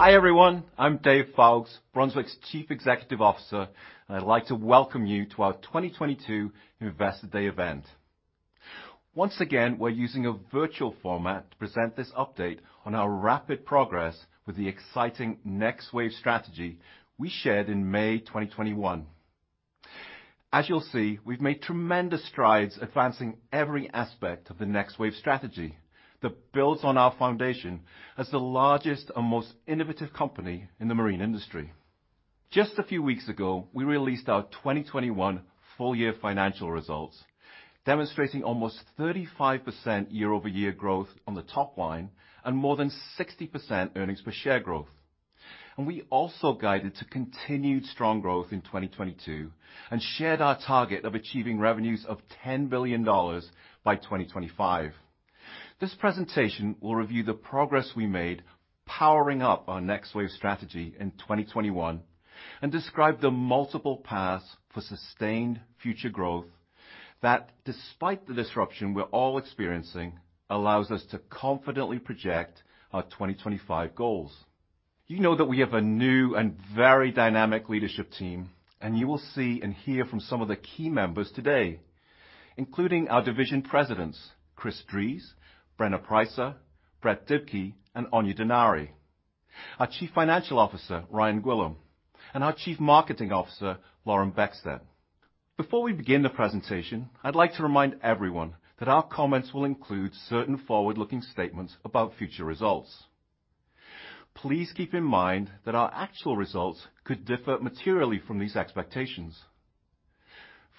Hi, everyone. I'm David Foulkes, Brunswick's Chief Executive Officer. I'd like to welcome you to our 2022 Investor Day event. Once again, we're using a virtual format to present this update on our rapid progress with the exciting Next Wave strategy we shared in May 2021. As you'll see, we've made tremendous strides advancing every aspect of the Next Wave strategy that builds on our foundation as the largest and most innovative company in the marine industry. Just a few weeks ago, we released our 2021 full year financial results, demonstrating almost 35% year-over-year growth on the top line and more than 60% earnings per share growth. We also guided to continued strong growth in 2022 and shared our target of achieving revenues of $10 billion by 2025. This presentation will review the progress we made powering up our Next Wave strategy in 2021 and describe the multiple paths for sustained future growth that, despite the disruption we're all experiencing, allows us to confidently project our 2025 goals. You know that we have a new and very dynamic leadership team, and you will see and hear from some of the key members today, including our division presidents, Christopher Drees, Brenna Preisser, Brett Dibkey, and Aine Denari, our Chief Financial Officer, Ryan Gwillim, and our Chief Marketing Officer, Lauren Beckstedt. Before we begin the presentation, I'd like to remind everyone that our comments will include certain forward-looking statements about future results. Please keep in mind that our actual results could differ materially from these expectations.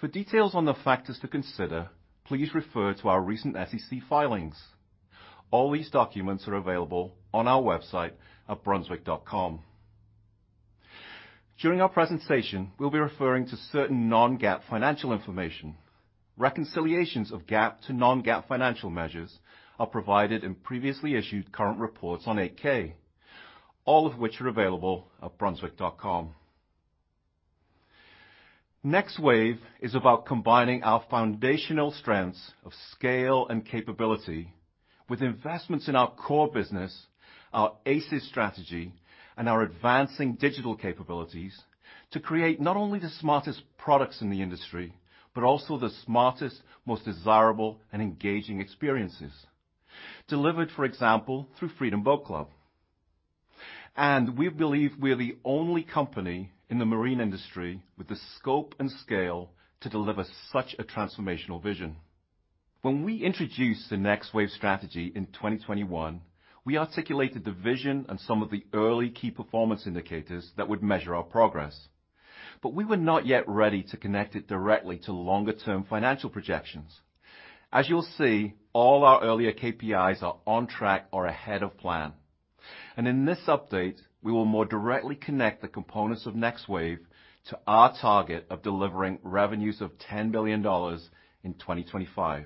For details on the factors to consider, please refer to our recent SEC filings. All these documents are available on our website at brunswick.com. During our presentation, we'll be referring to certain non-GAAP financial information. Reconciliations of GAAP to non-GAAP financial measures are provided in previously issued current reports on 8-K, all of which are available at brunswick.com. Next Wave is about combining our foundational strengths of scale and capability with investments in our core business, our ACES strategy, and our advancing digital capabilities to create not only the smartest products in the industry, but also the smartest, most desirable, and engaging experiences delivered, for example, through Freedom Boat Club. We believe we're the only company in the marine industry with the scope and scale to deliver such a transformational vision. When we introduced the Next Wave strategy in 2021, we articulated the vision and some of the early key performance indicators that would measure our progress. We were not yet ready to connect it directly to longer term financial projections. As you'll see, all our earlier KPIs are on track or ahead of plan. In this update, we will more directly connect the components of Next Wave to our target of delivering revenues of $10 billion in 2025.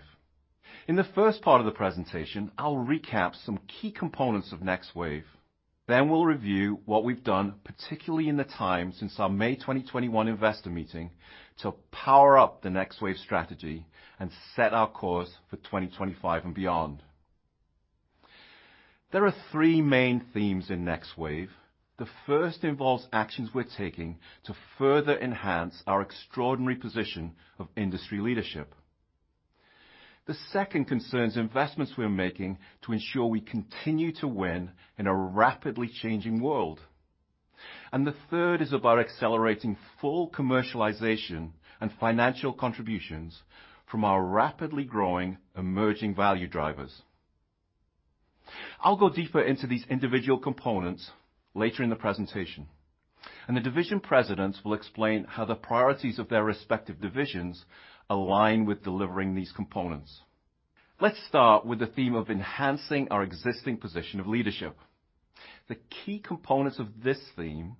In the first part of the presentation, I'll recap some key components of Next Wave. We'll review what we've done, particularly in the time since our May 2021 investor meeting to power up the Next Wave strategy and set our course for 2025 and beyond. There are three main themes in Next Wave. The first involves actions we're taking to further enhance our extraordinary position of industry leadership. The second concerns investments we're making to ensure we continue to win in a rapidly changing world. The third is about accelerating full commercialization and financial contributions from our rapidly growing emerging value drivers. I'll go deeper into these individual components later in the presentation, and the division presidents will explain how the priorities of their respective divisions align with delivering these components. Let's start with the theme of enhancing our existing position of leadership. The key components of this theme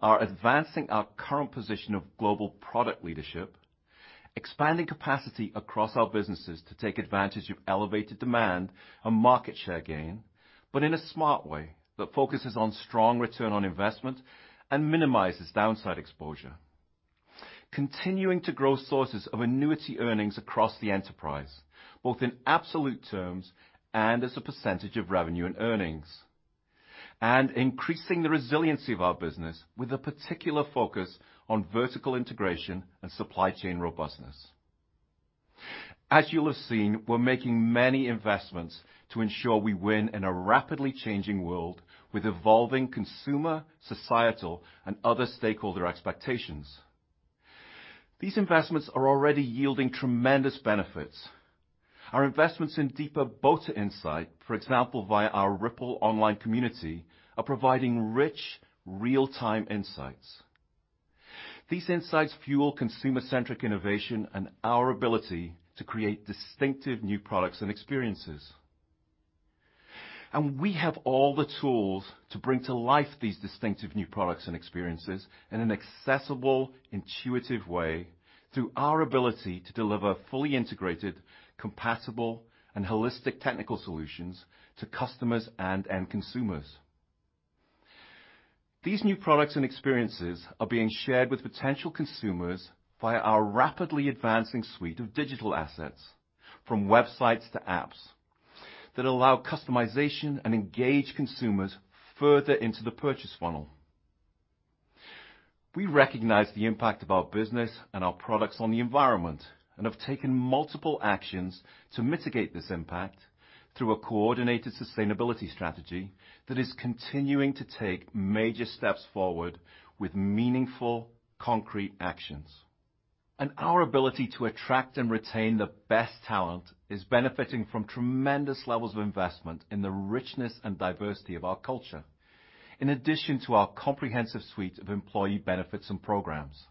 are advancing our current position of global product leadership, expanding capacity across our businesses to take advantage of elevated demand and market share gain, but in a smart way that focuses on strong return on investment and minimizes downside exposure. Continuing to grow sources of annuity earnings across the enterprise, both in absolute terms and as a percentage of revenue and earnings, and increasing the resiliency of our business with a particular focus on vertical integration and supply chain robustness. As you'll have seen, we're making many investments to ensure we win in a rapidly changing world with evolving consumer, societal, and other stakeholder expectations. These investments are already yielding tremendous benefits. Our investments in deeper boater insight, for example, via our RIPL online community, are providing rich, real-time insights. These insights fuel consumer-centric innovation and our ability to create distinctive new products and experiences. We have all the tools to bring to life these distinctive new products and experiences in an accessible, intuitive way through our ability to deliver fully integrated, compatible, and holistic technical solutions to customers and end consumers. These new products and experiences are being shared with potential consumers via our rapidly advancing suite of digital assets, from websites to apps, that allow customization and engage consumers further into the purchase funnel. We recognize the impact of our business and our products on the environment and have taken multiple actions to mitigate this impact through a coordinated sustainability strategy that is continuing to take major steps forward with meaningful concrete actions. Our ability to attract and retain the best talent is benefiting from tremendous levels of investment in the richness and diversity of our culture, in addition to our comprehensive suite of employee benefits and programs.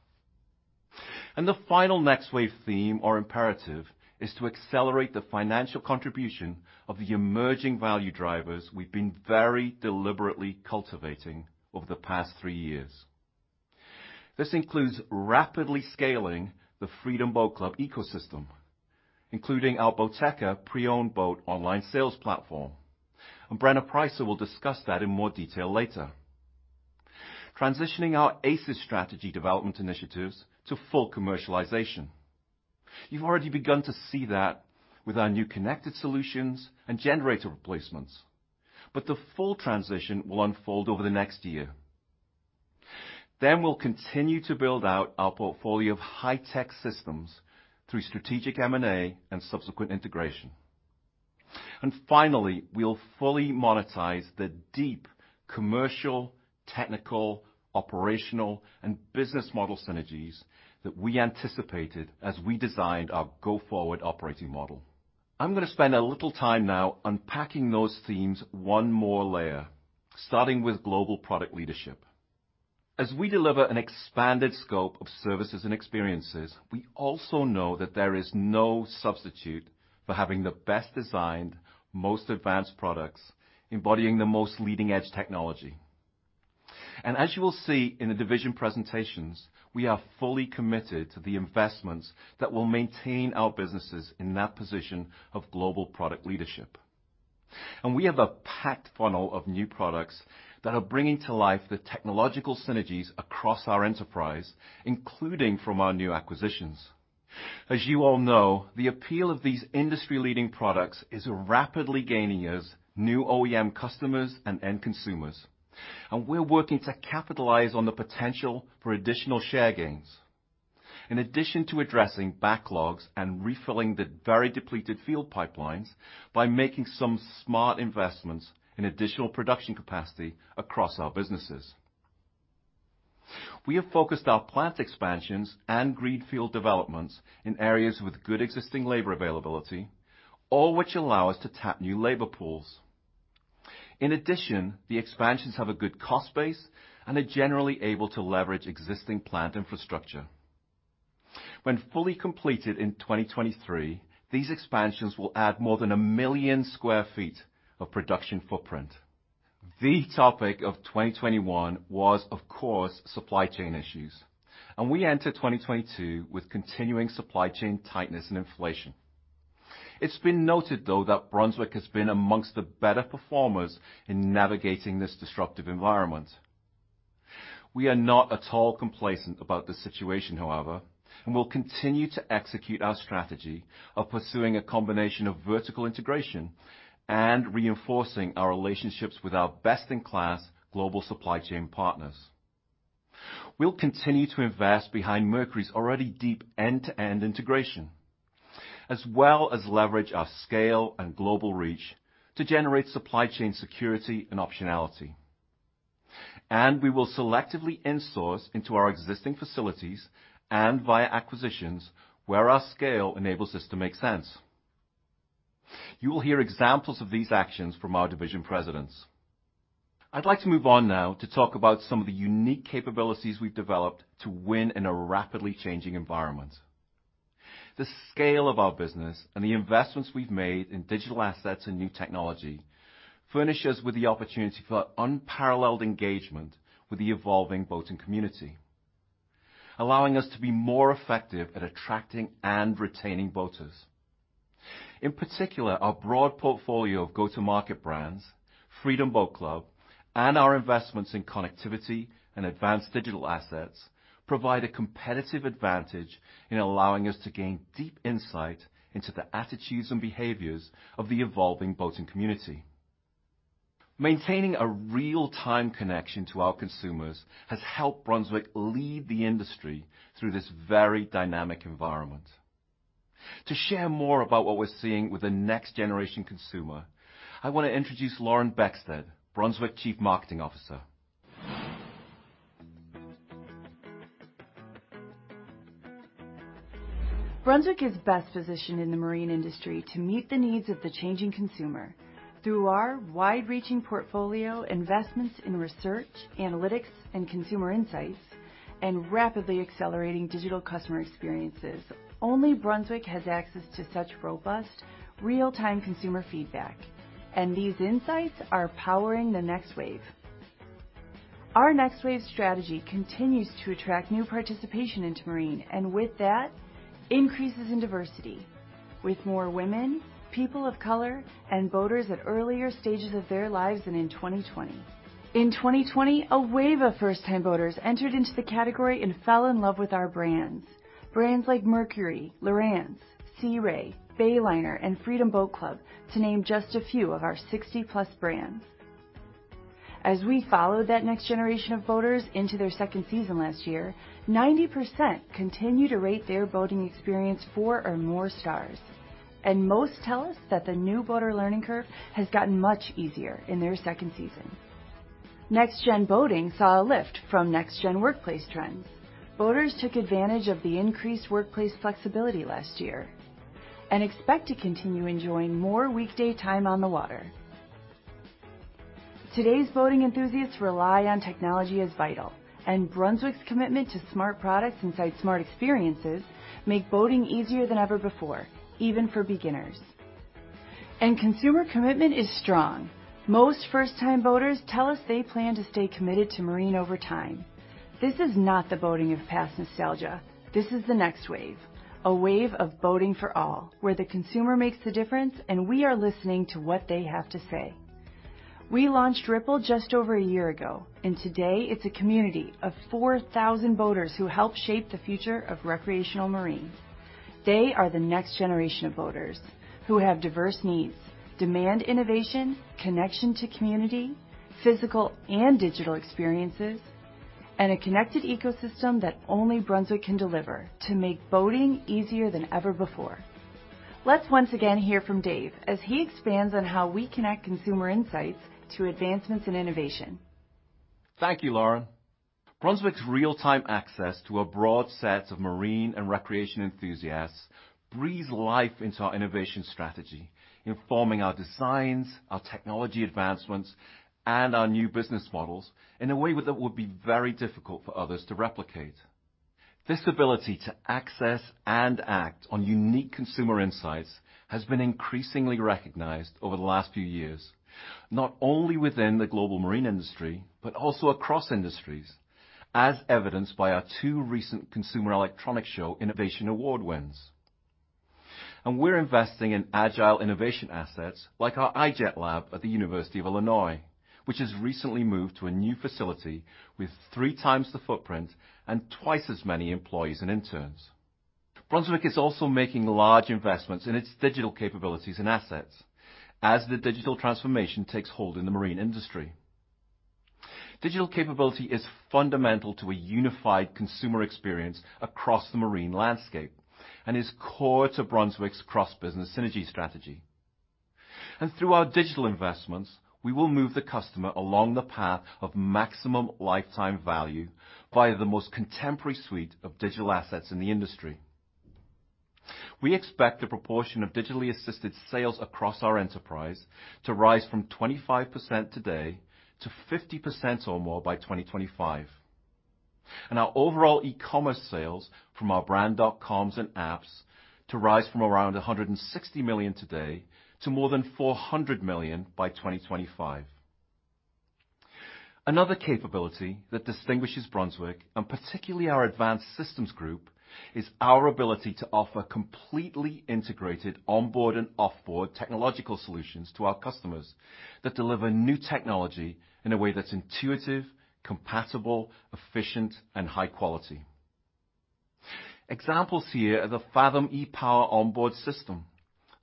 The final Next Wave theme or imperative is to accelerate the financial contribution of the emerging value drivers we've been very deliberately cultivating over the past three years. This includes rapidly scaling the Freedom Boat Club ecosystem, including our Boateka pre-owned boat online sales platform. Brenna Preisser will discuss that in more detail later. Transitioning our ACES strategy development initiatives to full commercialization. You've already begun to see that with our new connected solutions and generator replacements. The full transition will unfold over the next year. We'll continue to build out our portfolio of high-tech systems through strategic M&A and subsequent integration. Finally, we'll fully monetize the deep commercial, technical, operational, and business model synergies that we anticipated as we designed our go-forward operating model. I'm gonna spend a little time now unpacking those themes one more layer, starting with global product leadership. As we deliver an expanded scope of services and experiences, we also know that there is no substitute for having the best designed, most advanced products embodying the most leading-edge technology. As you will see in the division presentations, we are fully committed to the investments that will maintain our businesses in that position of global product leadership. We have a packed funnel of new products that are bringing to life the technological synergies across our enterprise, including from our new acquisitions. As you all know, the appeal of these industry-leading products is rapidly gaining us new OEM customers and end consumers, and we're working to capitalize on the potential for additional share gains in addition to addressing backlogs and refilling the very depleted field pipelines by making some smart investments in additional production capacity across our businesses, we have focused our plant expansions and greenfield developments in areas with good existing labor availability, all which allow us to tap new labor pools. In addition, the expansions have a good cost base and are generally able to leverage existing plant infrastructure. When fully completed in 2023, these expansions will add more than 1 million sq ft of production footprint. The topic of 2021 was, of course, supply chain issues, and we enter 2022 with continuing supply chain tightness and inflation. It's been noted, though, that Brunswick has been amongst the better performers in navigating this disruptive environment. We are not at all complacent about the situation, however, and we'll continue to execute our strategy of pursuing a combination of vertical integration and reinforcing our relationships with our best-in-class global supply chain partners. We'll continue to invest behind Mercury's already deep end-to-end integration, as well as leverage our scale and global reach to generate supply chain security and optionality. We will selectively in-source into our existing facilities and via acquisitions where our scale enables us to make sense. You will hear examples of these actions from our division presidents. I'd like to move on now to talk about some of the unique capabilities we've developed to win in a rapidly changing environment. The scale of our business and the investments we've made in digital assets and new technology furnishes with the opportunity for unparalleled engagement with the evolving boating community, allowing us to be more effective at attracting and retaining boaters. In particular, our broad portfolio of go-to-market brands, Freedom Boat Club, and our investments in connectivity and advanced digital assets, provide a competitive advantage in allowing us to gain deep insight into the attitudes and behaviors of the evolving boating community. Maintaining a real-time connection to our consumers has helped Brunswick lead the industry through this very dynamic environment. To share more about what we're seeing with the next-generation consumer, I want to introduce Lauren Beckstedt, Brunswick Chief Marketing Officer. Brunswick is best positioned in the marine industry to meet the needs of the changing consumer through our wide-reaching portfolio, investments in research, analytics, and consumer insights, and rapidly accelerating digital customer experiences. Only Brunswick has access to such robust, real-time consumer feedback, and these insights are powering the Next Wave. Our Next Wave strategy continues to attract new participation into marine, and with that, increases in diversity with more women, people of color, and boaters at earlier stages of their lives than in 2020. In 2020, a wave of first-time boaters entered into the category and fell in love with our brands. Brands like Mercury, Lowrance, Sea Ray, Bayliner, and Freedom Boat Club, to name just a few of our 60-plus brands. As we followed that next generation of boaters into their second season last year, 90% continue to rate their boating experience four or more stars. Most tell us that the new boater learning curve has gotten much easier in their second season. Next gen boating saw a lift from next gen workplace trends. Boaters took advantage of the increased workplace flexibility last year and expect to continue enjoying more weekday time on the water. Today's boating enthusiasts rely on technology as vital, and Brunswick's commitment to smart products inside smart experiences make boating easier than ever before, even for beginners. Consumer commitment is strong. Most first-time boaters tell us they plan to stay committed to marine over time. This is not the boating of past nostalgia. This is the Next Wave, a wave of boating for all, where the consumer makes the difference, and we are listening to what they have to say. We launched RIPL just over a year ago, and today it's a community of 4,000 boaters who help shape the future of recreational marine. They are the next generation of boaters who have diverse needs, demand innovation, connection to community, physical and digital experiences, and a connected ecosystem that only Brunswick can deliver to make boating easier than ever before. Let's once again hear from Dave as he expands on how we connect consumer insights to advancements in innovation. Thank you, Lauren. Brunswick's real-time access to a broad set of marine and recreation enthusiasts breathes life into our innovation strategy, informing our designs, our technology advancements, and our new business models in a way that would be very difficult for others to replicate. This ability to access and act on unique consumer insights has been increasingly recognized over the last few years, not only within the global marine industry, but also across industries, as evidenced by our two recent Consumer Electronics Show Innovation Award wins. We're investing in agile innovation assets like our i-jet Lab at the University of Illinois, which has recently moved to a new facility with three times the footprint and twice as many employees and interns. Brunswick is also making large investments in its digital capabilities and assets as the digital transformation takes hold in the marine industry. Digital capability is fundamental to a unified consumer experience across the marine landscape and is core to Brunswick's cross-business synergy strategy. Through our digital investments, we will move the customer along the path of maximum lifetime value via the most contemporary suite of digital assets in the industry. We expect the proportion of digitally assisted sales across our enterprise to rise from 25% today to 50% or more by 2025. Our overall e-commerce sales from our brand.coms and apps to rise from around $160 million today to more than $400 million by 2025. Another capability that distinguishes Brunswick, and particularly our Advanced Systems Group, is our ability to offer completely integrated onboard and off-board technological solutions to our customers that deliver new technology in a way that's intuitive, compatible, efficient, and high quality. Examples here are the Fathom e-Power onboard system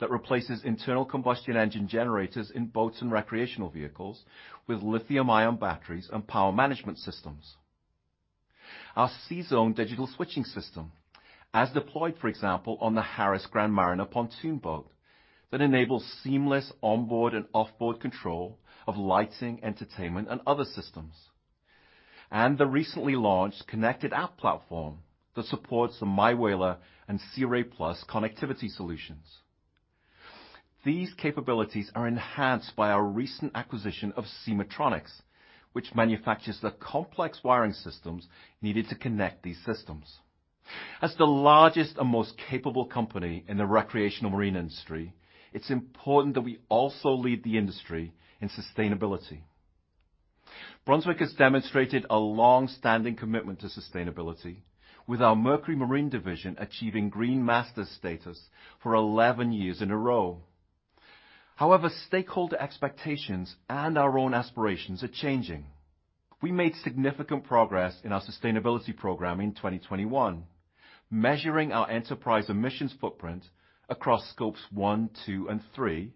that replaces internal combustion engine generators in boats and recreational vehicles with lithium-ion batteries and power management systems. Our CZone digital switching system, as deployed, for example, on the Harris Grand Mariner pontoon boat, that enables seamless onboard and off-board control of lighting, entertainment, and other systems. The recently launched connected app platform that supports the MyWhaler and Sea Ray+ connectivity solutions. These capabilities are enhanced by our recent acquisition of SemahTronix, which manufactures the complex wiring systems needed to connect these systems. As the largest and most capable company in the recreational marine industry, it's important that we also lead the industry in sustainability. Brunswick has demonstrated a long-standing commitment to sustainability with our Mercury Marine division achieving Green Masters status for 11 years in a row. However, stakeholder expectations and our own aspirations are changing. We made significant progress in our sustainability program in 2021, measuring our enterprise emissions footprint across Scope 1, 2, and 3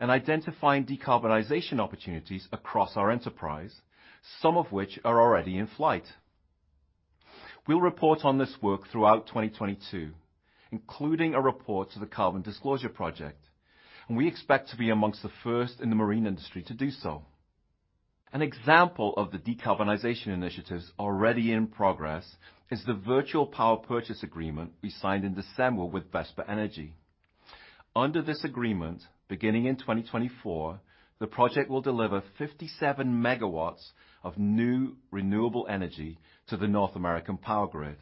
and identifying decarbonization opportunities across our enterprise, some of which are already in flight. We'll report on this work throughout 2022, including a report to the Carbon Disclosure Project, and we expect to be among the first in the marine industry to do so. An example of the decarbonization initiatives already in progress is the virtual power purchase agreement we signed in December with Vesper Energy. Under this agreement, beginning in 2024, the project will deliver 57 MW of new renewable energy to the North American power grid,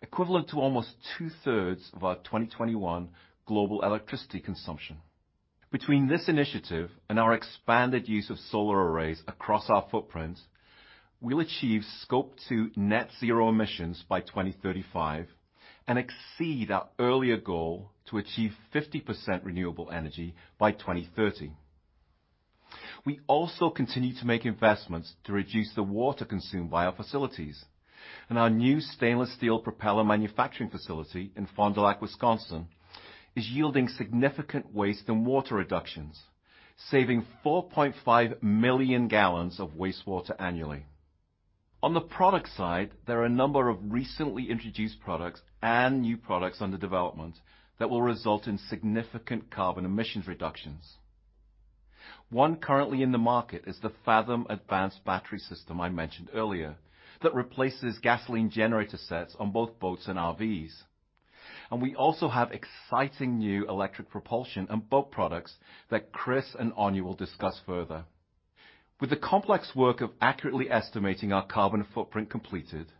equivalent to almost two-thirds of our 2021 global electricity consumption. Between this initiative and our expanded use of solar arrays across our footprints, we'll achieve Scope 2 net zero emissions by 2035 and exceed our earlier goal to achieve 50% renewable energy by 2030. We also continue to make investments to reduce the water consumed by our facilities. Our new stainless steel propeller manufacturing facility in Fond du Lac, Wisconsin, is yielding significant waste and water reductions, saving 4.5 million gallons of wastewater annually. On the product side, there are a number of recently introduced products and new products under development that will result in significant carbon emissions reductions. One currently in the market is the Fathom e-Power I mentioned earlier, that replaces gasoline generator sets on both boats and RVs. We also have exciting new electric propulsion and boat products that Chris and Aine will discuss further. With the complex work of accurately estimating our carbon footprint completed,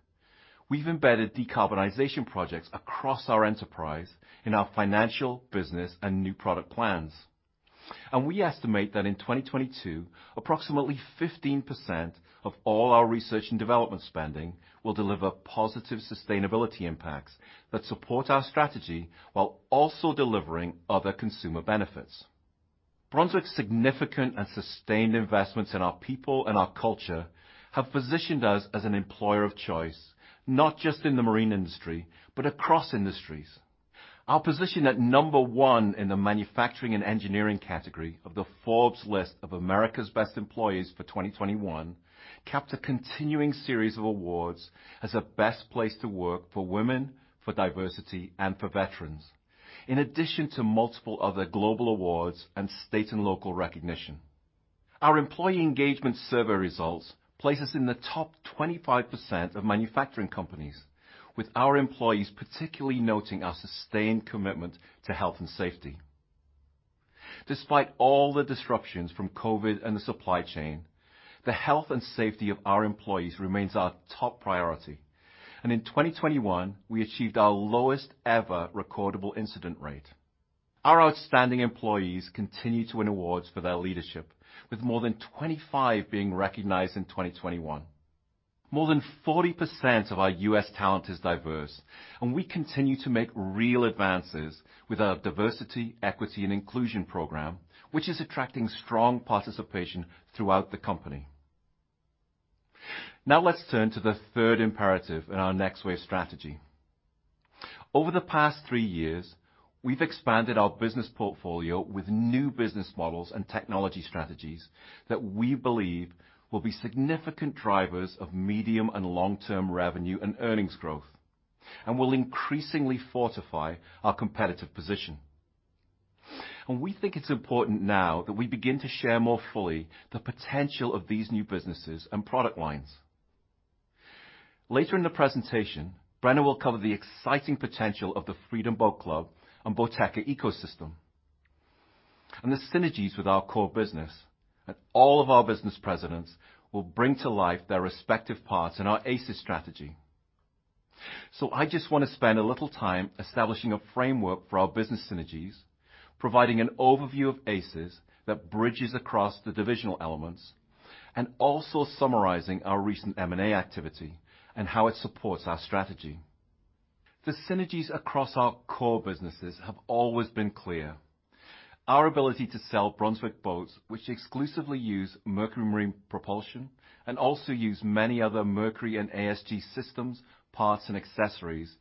we've embedded decarbonization projects across our enterprise in our financial, business, and new product plans. We estimate that in 2022, approximately 15% of all our research and development spending will deliver positive sustainability impacts that support our strategy while also delivering other consumer benefits. Brunswick's significant and sustained investments in our people and our culture have positioned us as an employer of choice, not just in the marine industry, but across industries. Our position at number one in the manufacturing and engineering category of the Forbes list of America's Best Large Employers for 2021 capped a continuing series of awards as a best place to work for women, for diversity, and for veterans, in addition to multiple other global awards and state and local recognition. Our employee engagement survey results place us in the top 25% of manufacturing companies with our employees particularly noting our sustained commitment to health and safety. Despite all the disruptions from COVID and the supply chain, the health and safety of our employees remains our top priority. In 2021, we achieved our lowest ever recordable incident rate. Our outstanding employees continue to win awards for their leadership with more than 25 being recognized in 2021. More than 40% of our U.S. talent is diverse, and we continue to make real advances with our diversity, equity, and inclusion program, which is attracting strong participation throughout the company. Now let's turn to the third imperative in our Next Wave strategy. Over the past three years, we've expanded our business portfolio with new business models and technology strategies that we believe will be significant drivers of medium- and long-term revenue and earnings growth, and will increasingly fortify our competitive position. We think it's important now that we begin to share more fully the potential of these new businesses and product lines. Later in the presentation, Brenna will cover the exciting potential of the Freedom Boat Club and Boateka ecosystem. The synergies with our core business that all of our business presidents will bring to life their respective parts in our ACES strategy. I just wanna spend a little time establishing a framework for our business synergies, providing an overview of ACES that bridges across the divisional elements, and also summarizing our recent M&A activity and how it supports our strategy. The synergies across our core businesses have always been clear. Our ability to sell Brunswick boats, which exclusively use Mercury Marine propulsion and also use many other Mercury and ASG systems, parts, and accessories,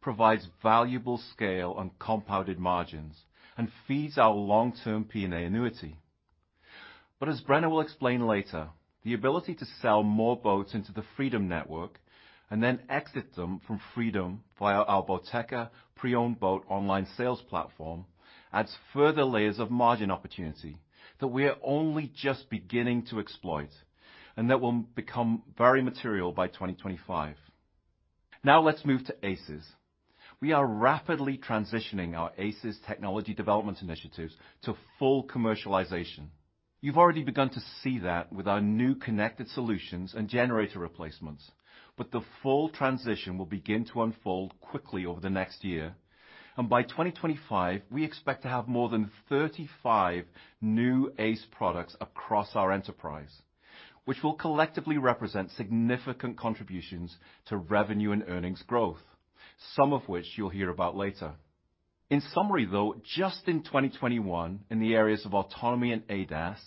provides valuable scale on compounded margins and feeds our long-term P&A annuity. As Brenna will explain later, the ability to sell more boats into the Freedom network and then exit them from Freedom via our Boateka pre-owned boat online sales platform adds further layers of margin opportunity that we are only just beginning to exploit, and that will become very material by 2025. Now let's move to ACES. We are rapidly transitioning our ACES technology development initiatives to full commercialization. You've already begun to see that with our new connected solutions and generator replacements. The full transition will begin to unfold quickly over the next year. By 2025, we expect to have more than 35 new ACE products across our enterprise, which will collectively represent significant contributions to revenue and earnings growth, some of which you'll hear about later. In summary, though, just in 2021 in the areas of autonomy and ADAS,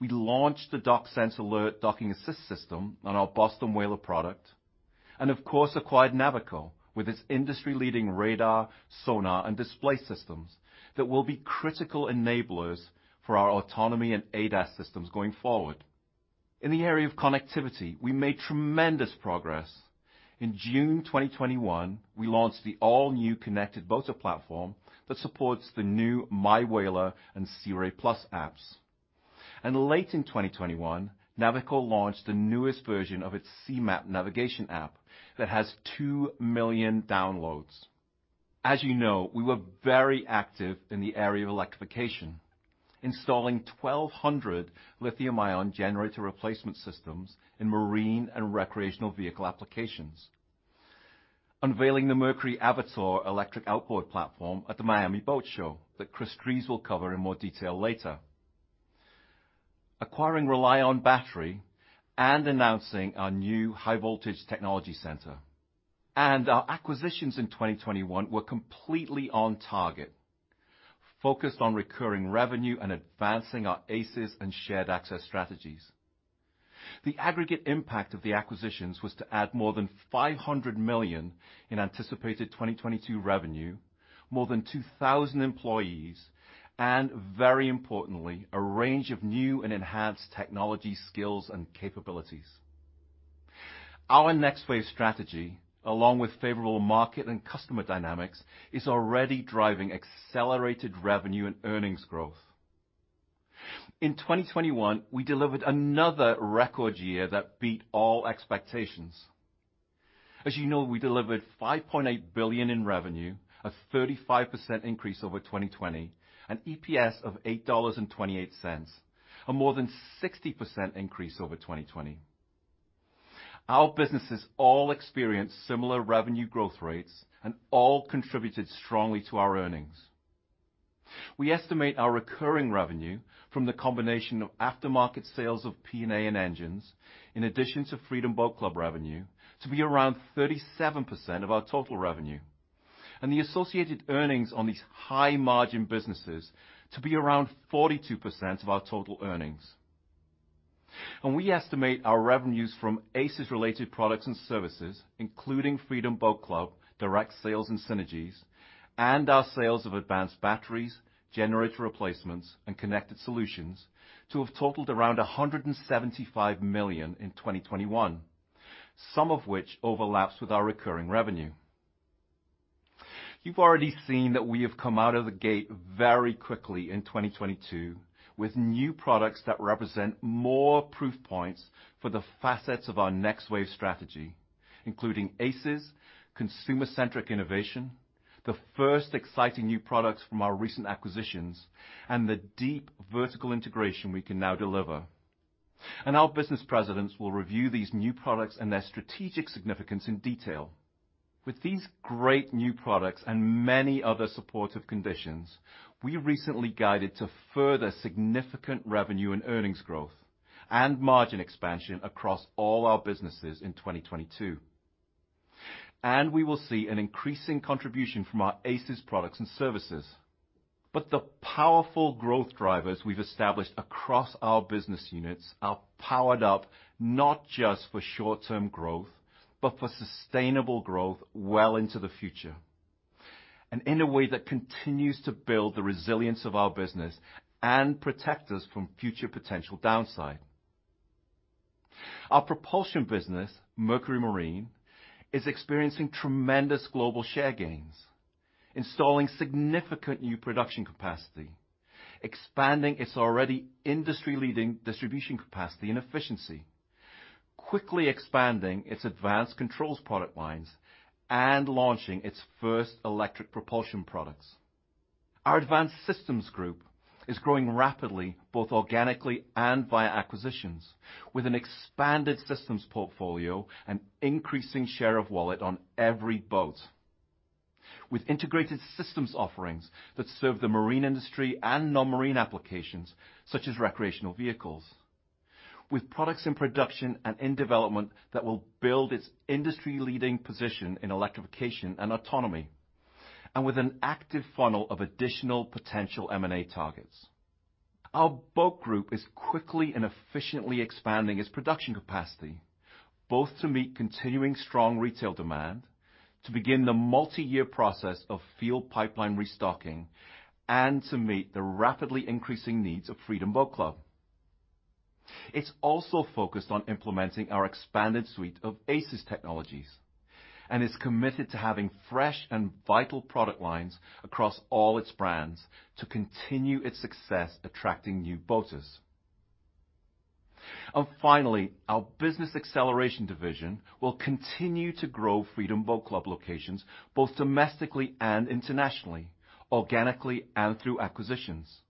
we launched the Dock Sense Alert Docking Assist System on our Boston Whaler product, and of course, acquired Navico with its industry-leading radar, sonar, and display systems that will be critical enablers for our autonomy and ADAS systems going forward. In the area of connectivity, we made tremendous progress. In June 2021, we launched the all-new connected boater platform that supports the new MyWhaler and Sea Ray+ apps. Late in 2021, Navico launched the newest version of its C-MAP navigation app that has two million downloads. As you know, we were very active in the area of electrification, installing 1,200 lithium-ion generator replacement systems in marine and recreational vehicle applications. Unveiling the Mercury Avator electric outboard platform at the Miami Boat Show that Chris Drees will cover in more detail later. Acquiring RELiON Battery and announcing our new high voltage technology center. Our acquisitions in 2021 were completely on target, focused on recurring revenue and advancing our ACES and Shared Access strategies. The aggregate impact of the acquisitions was to add more than $500 million in anticipated 2022 revenue, more than 2,000 employees, and very importantly, a range of new and enhanced technology skills and capabilities. Our Next Wave strategy, along with favorable market and customer dynamics, is already driving accelerated revenue and earnings growth. In 2021, we delivered another record year that beat all expectations. As you know, we delivered $5.8 billion in revenue, a 35% increase over 2020, an EPS of $8.28, a more than 60% increase over 2020. Our businesses all experienced similar revenue growth rates and all contributed strongly to our earnings. We estimate our recurring revenue from the combination of aftermarket sales of P&A and engines, in addition to Freedom Boat Club revenue, to be around 37% of our total revenue, and the associated earnings on these high margin businesses to be around 42% of our total earnings. We estimate our revenues from ACES related products and services, including Freedom Boat Club, direct sales and synergies, and our sales of advanced batteries, generator replacements, and connected solutions to have totaled around $175 million in 2021, some of which overlaps with our recurring revenue. You've already seen that we have come out of the gate very quickly in 2022 with new products that represent more proof points for the facets of our Next Wave strategy, including ACES, consumer-centric innovation, the first exciting new products from our recent acquisitions, and the deep vertical integration we can now deliver. Our business presidents will review these new products and their strategic significance in detail. With these great new products and many other supportive conditions, we recently guided to further significant revenue and earnings growth and margin expansion across all our businesses in 2022. We will see an increasing contribution from our ACES products and services. The powerful growth drivers we've established across our business units are powered up not just for short-term growth, but for sustainable growth well into the future, and in a way that continues to build the resilience of our business and protect us from future potential downside. Our propulsion business, Mercury Marine, is experiencing tremendous global share gains, installing significant new production capacity, expanding its already industry-leading distribution capacity and efficiency, quickly expanding its advanced controls product lines, and launching its first electric propulsion products. Our Advanced Systems Group is growing rapidly, both organically and via acquisitions, with an expanded systems portfolio and increasing share of wallet on every boat. With integrated systems offerings that serve the marine industry and non-marine applications, such as recreational vehicles, with products in production and in development that will build its industry leading position in electrification and autonomy, and with an active funnel of additional potential M&A targets. Our Boat Group is quickly and efficiently expanding its production capacity, both to meet continuing strong retail demand, to begin the multi-year process of field pipeline restocking, and to meet the rapidly increasing needs of Freedom Boat Club. It's also focused on implementing our expanded suite of ACES technologies and is committed to having fresh and vital product lines across all its brands to continue its success attracting new boaters. Finally, our Business Acceleration division will continue to grow Freedom Boat Club locations, both domestically and internationally, organically and through acquisitions.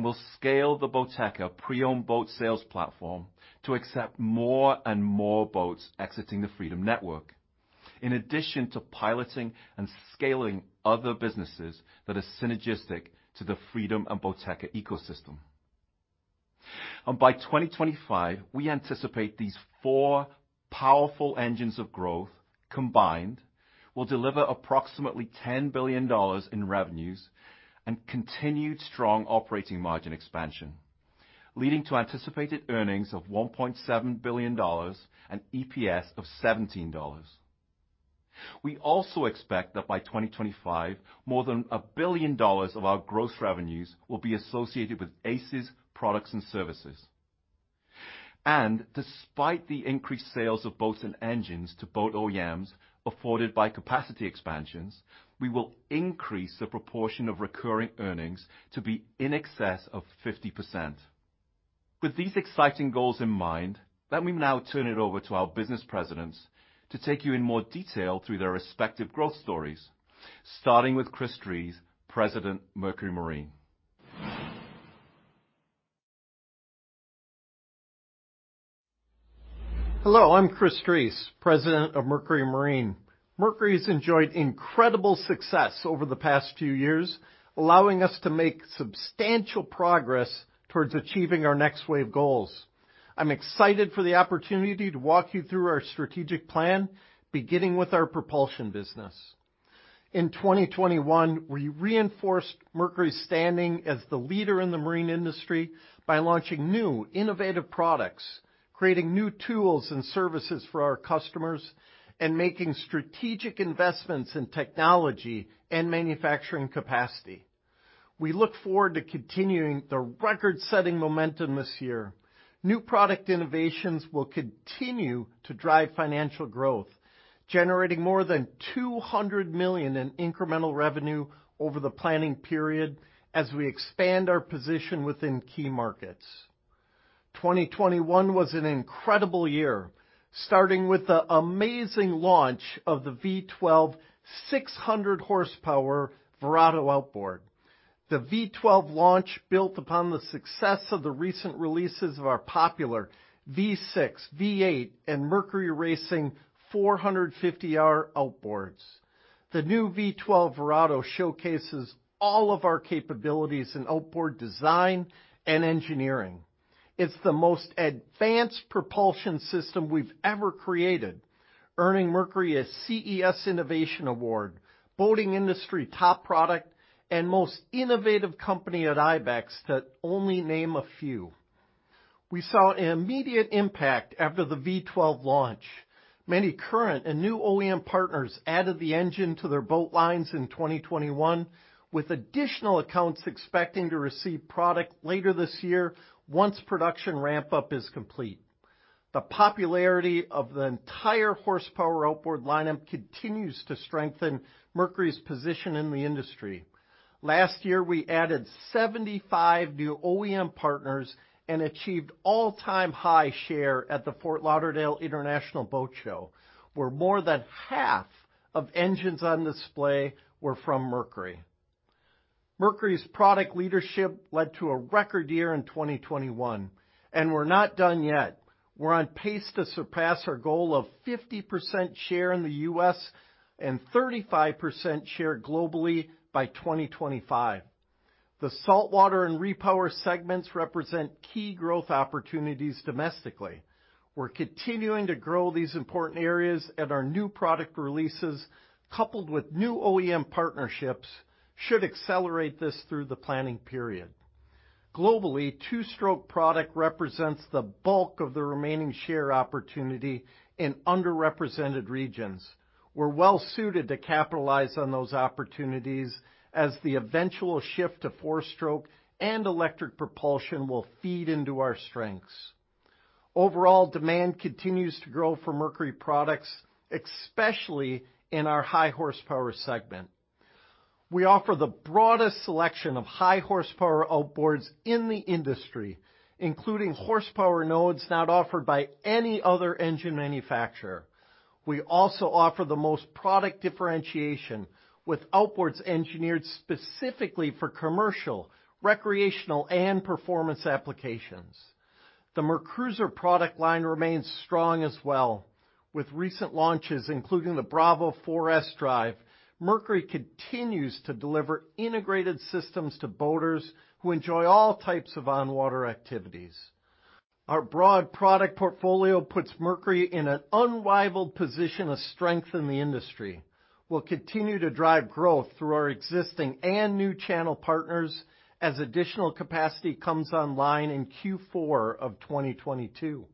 We'll scale the Boateka pre-owned boat sales platform to accept more and more boats exiting the Freedom network, in addition to piloting and scaling other businesses that are synergistic to the Freedom and Boateka ecosystem. By 2025, we anticipate these four powerful engines of growth combined will deliver approximately $10 billion in revenues and continued strong operating margin expansion, leading to anticipated earnings of $1.7 billion and EPS of $17. We also expect that by 2025, more than $1 billion of our gross revenues will be associated with ACES products and services. Despite the increased sales of boats and engines to boat OEMs afforded by capacity expansions, we will increase the proportion of recurring earnings to be in excess of 50%. With these exciting goals in mind, let me now turn it over to our business presidents to take you in more detail through their respective growth stories, starting with Chris Drees, President, Mercury Marine. Hello, I'm Chris Drees, President of Mercury Marine. Mercury has enjoyed incredible success over the past few years, allowing us to make substantial progress towards achieving our Next Wave goals. I'm excited for the opportunity to walk you through our strategic plan, beginning with our propulsion business. In 2021, we reinforced Mercury's standing as the leader in the marine industry by launching new innovative products, creating new tools and services for our customers, and making strategic investments in technology and manufacturing capacity. We look forward to continuing the record-setting momentum this year. New product innovations will continue to drive financial growth, generating more than $200 million in incremental revenue over the planning period as we expand our position within key markets. 2021 was an incredible year, starting with the amazing launch of the V12 600-horsepower Verado outboard. The V12 launch built upon the success of the recent releases of our popular V6, V8, and Mercury Racing 450R outboards. The new V12 Verado showcases all of our capabilities in outboard design and engineering. It's the most advanced propulsion system we've ever created, earning Mercury a CES Innovation Award, Boating Industry Top Product, and Most Innovative Company at IBEX, to only name a few. We saw an immediate impact after the V12 launch. Many current and new OEM partners added the engine to their boat lines in 2021, with additional accounts expecting to receive product later this year once production ramp-up is complete. The popularity of the entire horsepower outboard lineup continues to strengthen Mercury's position in the industry. Last year, we added 75 new OEM partners and achieved all-time high share at the Fort Lauderdale International Boat Show, where more than half of engines on display were from Mercury. Mercury's product leadership led to a record year in 2021, and we're not done yet. We're on pace to surpass our goal of 50% share in the U.S. and 35% share globally by 2025. The saltwater and repower segments represent key growth opportunities domestically. We're continuing to grow these important areas and our new product releases, coupled with new OEM partnerships, should accelerate this through the planning period. Globally, two-stroke product represents the bulk of the remaining share opportunity in underrepresented regions. We're well suited to capitalize on those opportunities as the eventual shift to four-stroke and electric propulsion will feed into our strengths. Overall, demand continues to grow for Mercury products, especially in our high horsepower segment. We offer the broadest selection of high horsepower outboards in the industry, including horsepower nodes not offered by any other engine manufacturer. We also offer the most product differentiation with outboards engineered specifically for commercial, recreational, and performance applications. The MerCruiser product line remains strong as well. With recent launches, including the Bravo Four S drive, Mercury continues to deliver integrated systems to boaters who enjoy all types of on-water activities. Our broad product portfolio puts Mercury in an unrivaled position of strength in the industry. We'll continue to drive growth through our existing and new channel partners as additional capacity comes online in Q4 of 2022.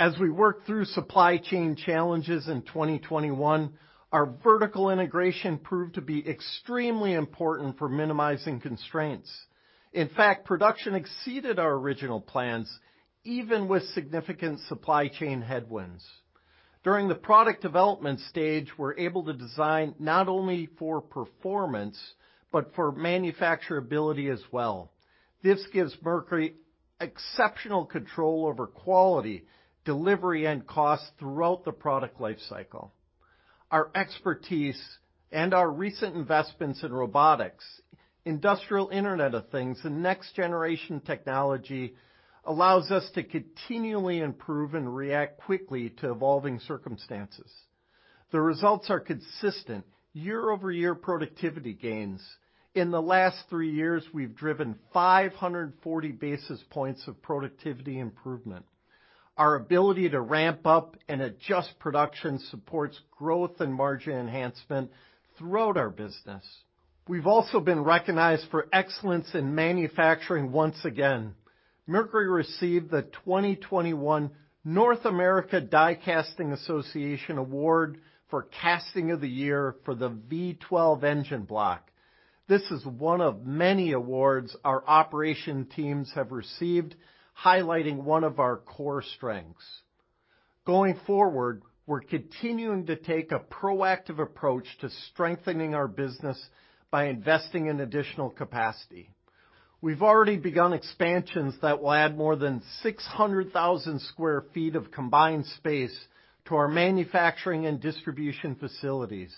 As we work through supply chain challenges in 2021, our vertical integration proved to be extremely important for minimizing constraints. In fact, production exceeded our original plans, even with significant supply chain headwinds. During the product development stage, we're able to design not only for performance, but for manufacturability as well. This gives Mercury exceptional control over quality, delivery, and cost throughout the product life cycle. Our expertise and our recent investments in robotics, industrial Internet of Things, and next-generation technology allows us to continually improve and react quickly to evolving circumstances. The results are consistent year-over-year productivity gains. In the last three years, we've driven 540 basis points of productivity improvement. Our ability to ramp up and adjust production supports growth and margin enhancement throughout our business. We've also been recognized for excellence in manufacturing once again. Mercury received the 2021 North American Die Casting Association Award for Casting of the Year for the V12 engine block. This is one of many awards our operation teams have received, highlighting one of our core strengths. Going forward, we're continuing to take a proactive approach to strengthening our business by investing in additional capacity. We've already begun expansions that will add more than 600,000 sq ft of combined space to our manufacturing and distribution facilities.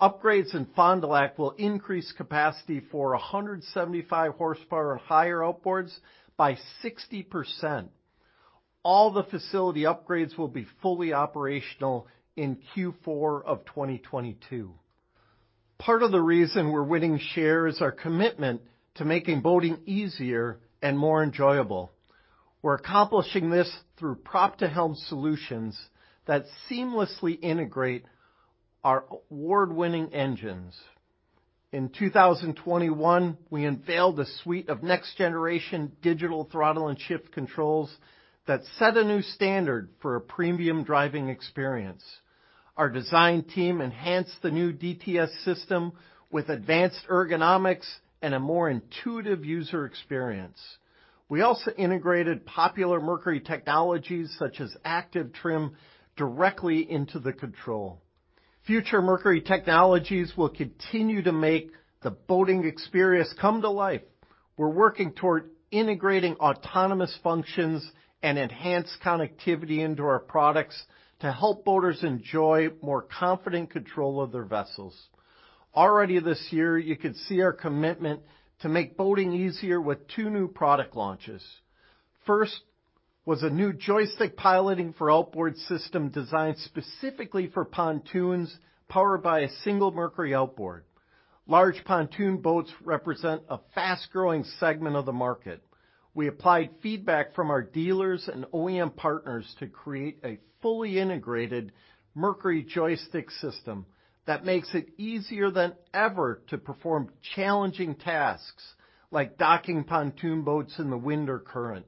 Upgrades in Fond du Lac will increase capacity for 175 horsepower and higher outboards by 60%. All the facility upgrades will be fully operational in Q4 of 2022. Part of the reason we're winning share is our commitment to making boating easier and more enjoyable. We're accomplishing this through prop-to-helm solutions that seamlessly integrate our award-winning engines. In 2021, we unveiled a suite of next-generation digital throttle and shift controls that set a new standard for a premium driving experience. Our design team enhanced the new DTS system with advanced ergonomics and a more intuitive user experience. We also integrated popular Mercury technologies, such as active trim, directly into the control. Future Mercury technologies will continue to make the boating experience come to life. We're working toward integrating autonomous functions and enhanced connectivity into our products to help boaters enjoy more confident control of their vessels. Already this year, you could see our commitment to make boating easier with two new product launches. First was a new joystick piloting for outboard system designed specifically for pontoons powered by a single Mercury outboard. Large pontoon boats represent a fast-growing segment of the market. We applied feedback from our dealers and OEM partners to create a fully integrated Mercury joystick system that makes it easier than ever to perform challenging tasks, like docking pontoon boats in the wind or current.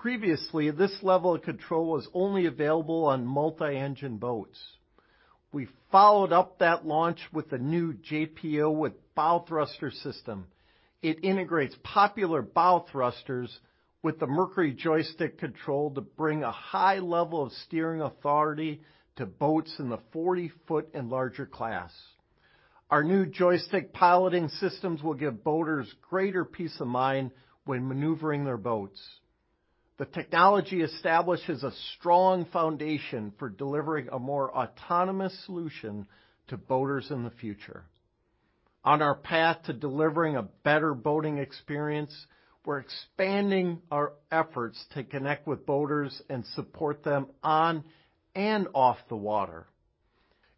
Previously, this level of control was only available on multi-engine boats. We followed up that launch with a new JPO with bow thruster system. It integrates popular bow thrusters with the Mercury joystick control to bring a high level of steering authority to boats in the 40-foot and larger class. Our new joystick piloting systems will give boaters greater peace of mind when maneuvering their boats. The technology establishes a strong foundation for delivering a more autonomous solution to boaters in the future. On our path to delivering a better boating experience, we're expanding our efforts to connect with boaters and support them on and off the water.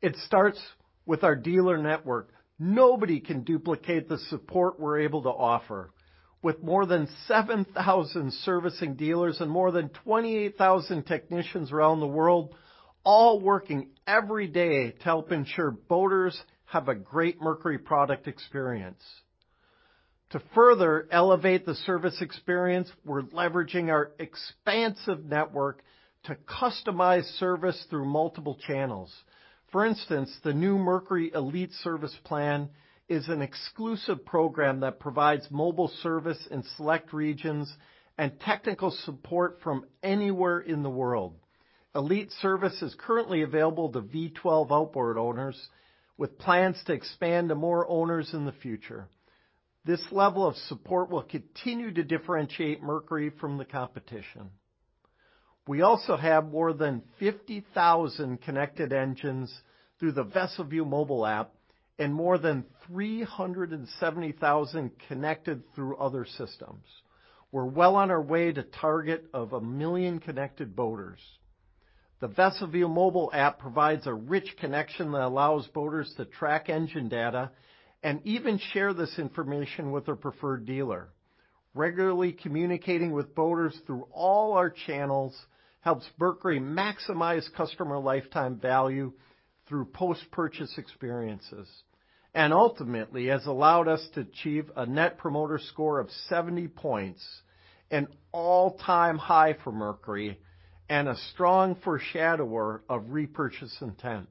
It starts with our dealer network. Nobody can duplicate the support we're able to offer. With more than 7,000 servicing dealers and more than 28,000 technicians around the world, all working every day to help ensure boaters have a great Mercury product experience. To further elevate the service experience, we're leveraging our expansive network to customize service through multiple channels. For instance, the new Mercury Elite Service plan is an exclusive program that provides mobile service in select regions and technical support from anywhere in the world. Elite Service is currently available to V12 outboard owners, with plans to expand to more owners in the future. This level of support will continue to differentiate Mercury from the competition. We also have more than 50,000 connected engines through the VesselView mobile app and more than 370,000 connected through other systems. We're well on our way to target of one million connected boaters. The VesselView mobile app provides a rich connection that allows boaters to track engine data and even share this information with their preferred dealer. Regularly communicating with boaters through all our channels helps Mercury maximize customer lifetime value through post-purchase experiences and ultimately has allowed us to achieve a net promoter score of 70 points, an all-time high for Mercury and a strong foreshadower of repurchase intent.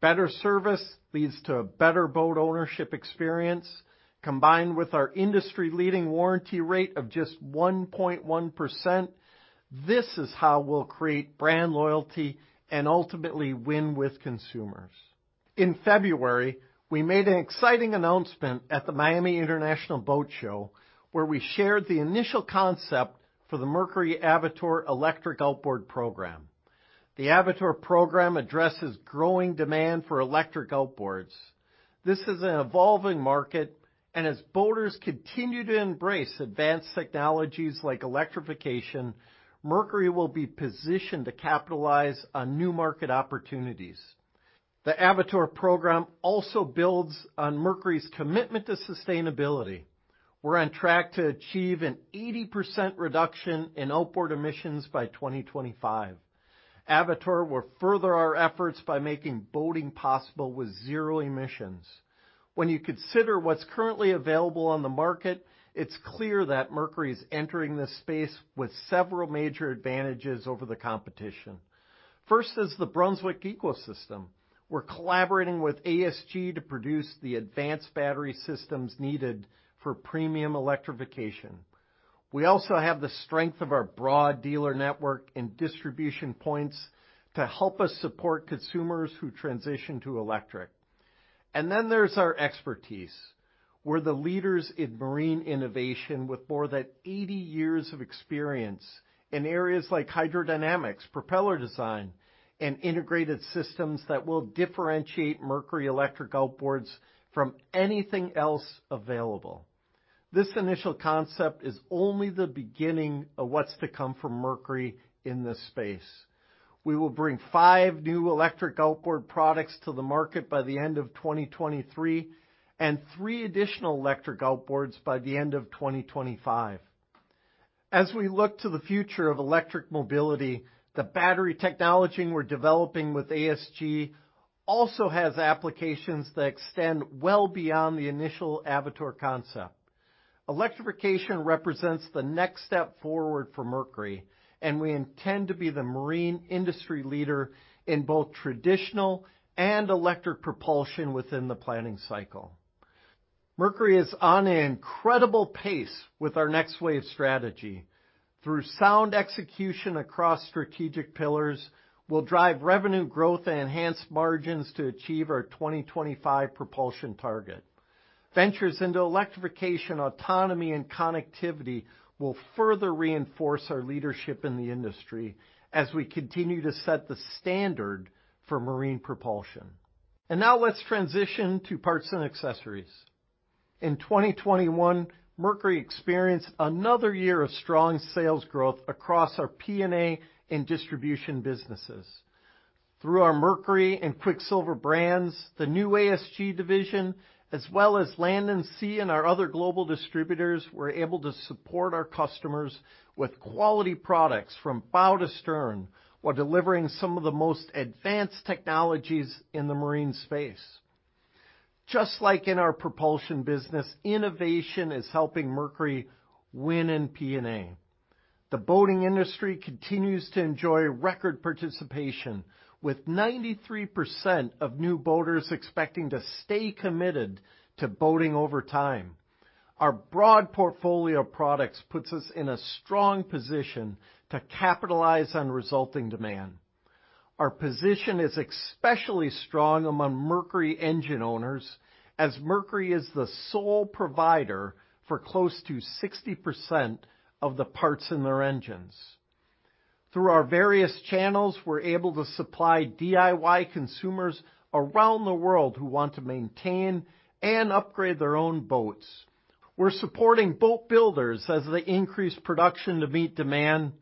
Better service leads to a better boat ownership experience. Combined with our industry-leading warranty rate of just 1.1%, this is how we'll create brand loyalty and ultimately win with consumers. In February, we made an exciting announcement at the Miami International Boat Show, where we shared the initial concept for the Mercury Avator electric outboard program. The Avator program addresses growing demand for electric outboards. This is an evolving market, and as boaters continue to embrace advanced technologies like electrification, Mercury will be positioned to capitalize on new market opportunities. The Avator program also builds on Mercury's commitment to sustainability. We're on track to achieve an 80% reduction in outboard emissions by 2025. Avator will further our efforts by making boating possible with zero emissions. When you consider what's currently available on the market, it's clear that Mercury is entering this space with several major advantages over the competition. First is the Brunswick ecosystem. We're collaborating with ASG to produce the advanced battery systems needed for premium electrification. We also have the strength of our broad dealer network and distribution points to help us support consumers who transition to electric. There's our expertise. We're the leaders in marine innovation with more than 80 years of experience in areas like hydrodynamics, propeller design, and integrated systems that will differentiate Mercury electric outboards from anything else available. This initial concept is only the beginning of what's to come from Mercury in this space. We will bring five new electric outboard products to the market by the end of 2023, and three additional electric outboards by the end of 2025. As we look to the future of electric mobility, the battery technology we're developing with ASG also has applications that extend well beyond the initial Avator concept. Electrification represents the next step forward for Mercury, and we intend to be the marine industry leader in both traditional and electric propulsion within the planning cycle. Mercury is on an incredible pace with our Next Wave strategy. Through sound execution across strategic pillars, we'll drive revenue growth and enhance margins to achieve our 2025 propulsion target. Ventures into electrification, autonomy, and connectivity will further reinforce our leadership in the industry as we continue to set the standard for marine propulsion. Now let's transition to parts and accessories. In 2021, Mercury experienced another year of strong sales growth across our P&A in distribution businesses. Through our Mercury and Quicksilver brands, the new ASG division, as well as Land ‘N’ Sea and our other global distributors, we're able to support our customers with quality products from bow to stern, while delivering some of the most advanced technologies in the marine space. Just like in our propulsion business, innovation is helping Mercury win in P&A. The boating industry continues to enjoy record participation with 93% of new boaters expecting to stay committed to boating over time. Our broad portfolio of products puts us in a strong position to capitalize on resulting demand. Our position is especially strong among Mercury engine owners as Mercury is the sole provider for close to 60% of the parts in their engines. Through our various channels, we're able to supply DIY consumers around the world who want to maintain and upgrade their own boats. We're supporting boat builders as they increase production to meet demand,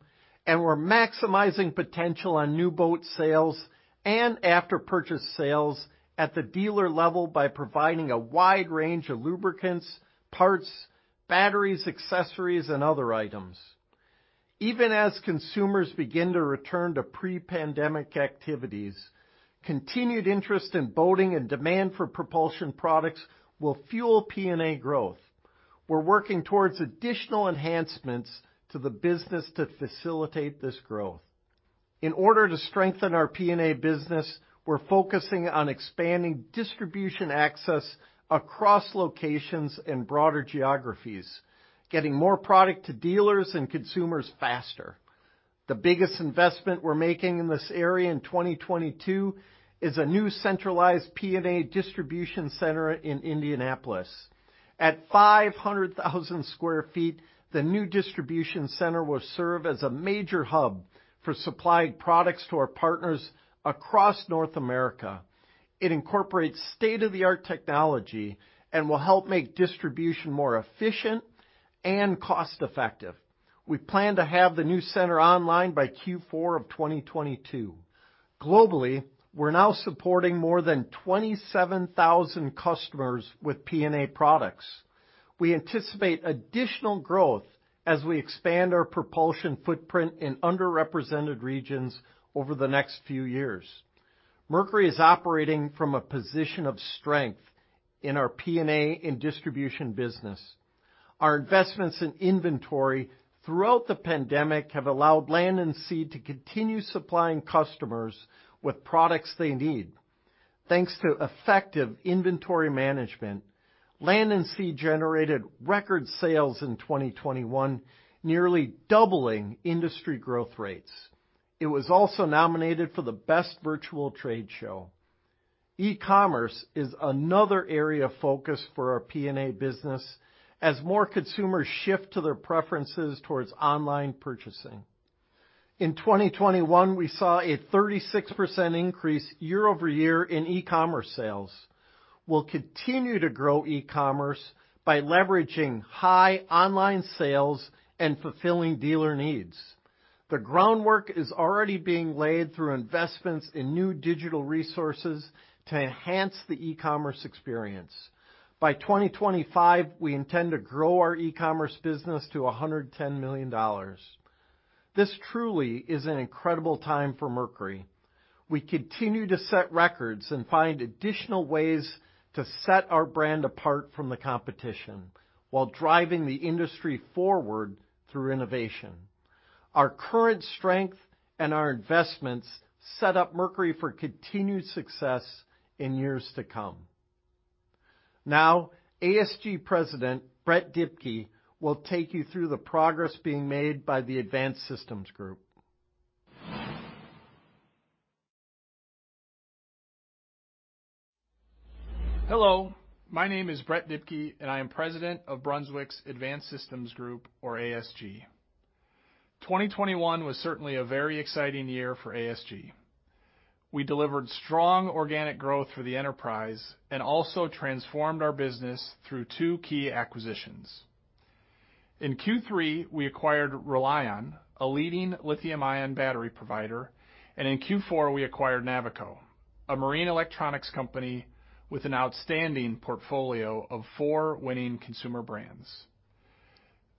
and we're maximizing potential on new boat sales and after purchase sales at the dealer level by providing a wide range of lubricants, parts, batteries, accessories, and other items. Even as consumers begin to return to pre-pandemic activities, continued interest in boating and demand for propulsion products will fuel P&A growth. We're working towards additional enhancements to the business to facilitate this growth. In order to strengthen our P&A business, we're focusing on expanding distribution access across locations and broader geographies, getting more product to dealers and consumers faster. The biggest investment we're making in this area in 2022 is a new centralized P&A distribution center in Indianapolis. At 500,000 sq ft, the new distribution center will serve as a major hub for supplying products to our partners across North America. It incorporates state-of-the-art technology and will help make distribution more efficient and cost-effective. We plan to have the new center online by Q4 of 2022. Globally, we're now supporting more than 27,000 customers with P&A products. We anticipate additional growth as we expand our propulsion footprint in underrepresented regions over the next few years. Mercury is operating from a position of strength in our P&A and distribution business. Our investments in inventory throughout the pandemic have allowed Land 'N' Sea to continue supplying customers with products they need. Thanks to effective inventory management, Land ‘N’ Sea generated record sales in 2021, nearly doubling industry growth rates. It was also nominated for the best virtual trade show. E-commerce is another area of focus for our P&A business as more consumers shift to their preferences towards online purchasing. In 2021, we saw a 36% increase year-over-year in e-commerce sales. We'll continue to grow e-commerce by leveraging high online sales and fulfilling dealer needs. The groundwork is already being laid through investments in new digital resources to enhance the e-commerce experience. By 2025, we intend to grow our e-commerce business to $110 million. This truly is an incredible time for Mercury. We continue to set records and find additional ways to set our brand apart from the competition while driving the industry forward through innovation. Our current strength and our investments set up Mercury for continued success in years to come. Now, ASG President, Brett Dibkey, will take you through the progress being made by the Advanced Systems Group. Hello, my name is Brett Dibkey, and I am President of Brunswick's Advanced Systems Group, or ASG. 2021 was certainly a very exciting year for ASG. We delivered strong organic growth for the enterprise and also transformed our business through two key acquisitions. In Q3, we acquired RELiON, a leading lithium-ion battery provider, and in Q4, we acquired Navico, a marine electronics company with an outstanding portfolio of four winning consumer brands.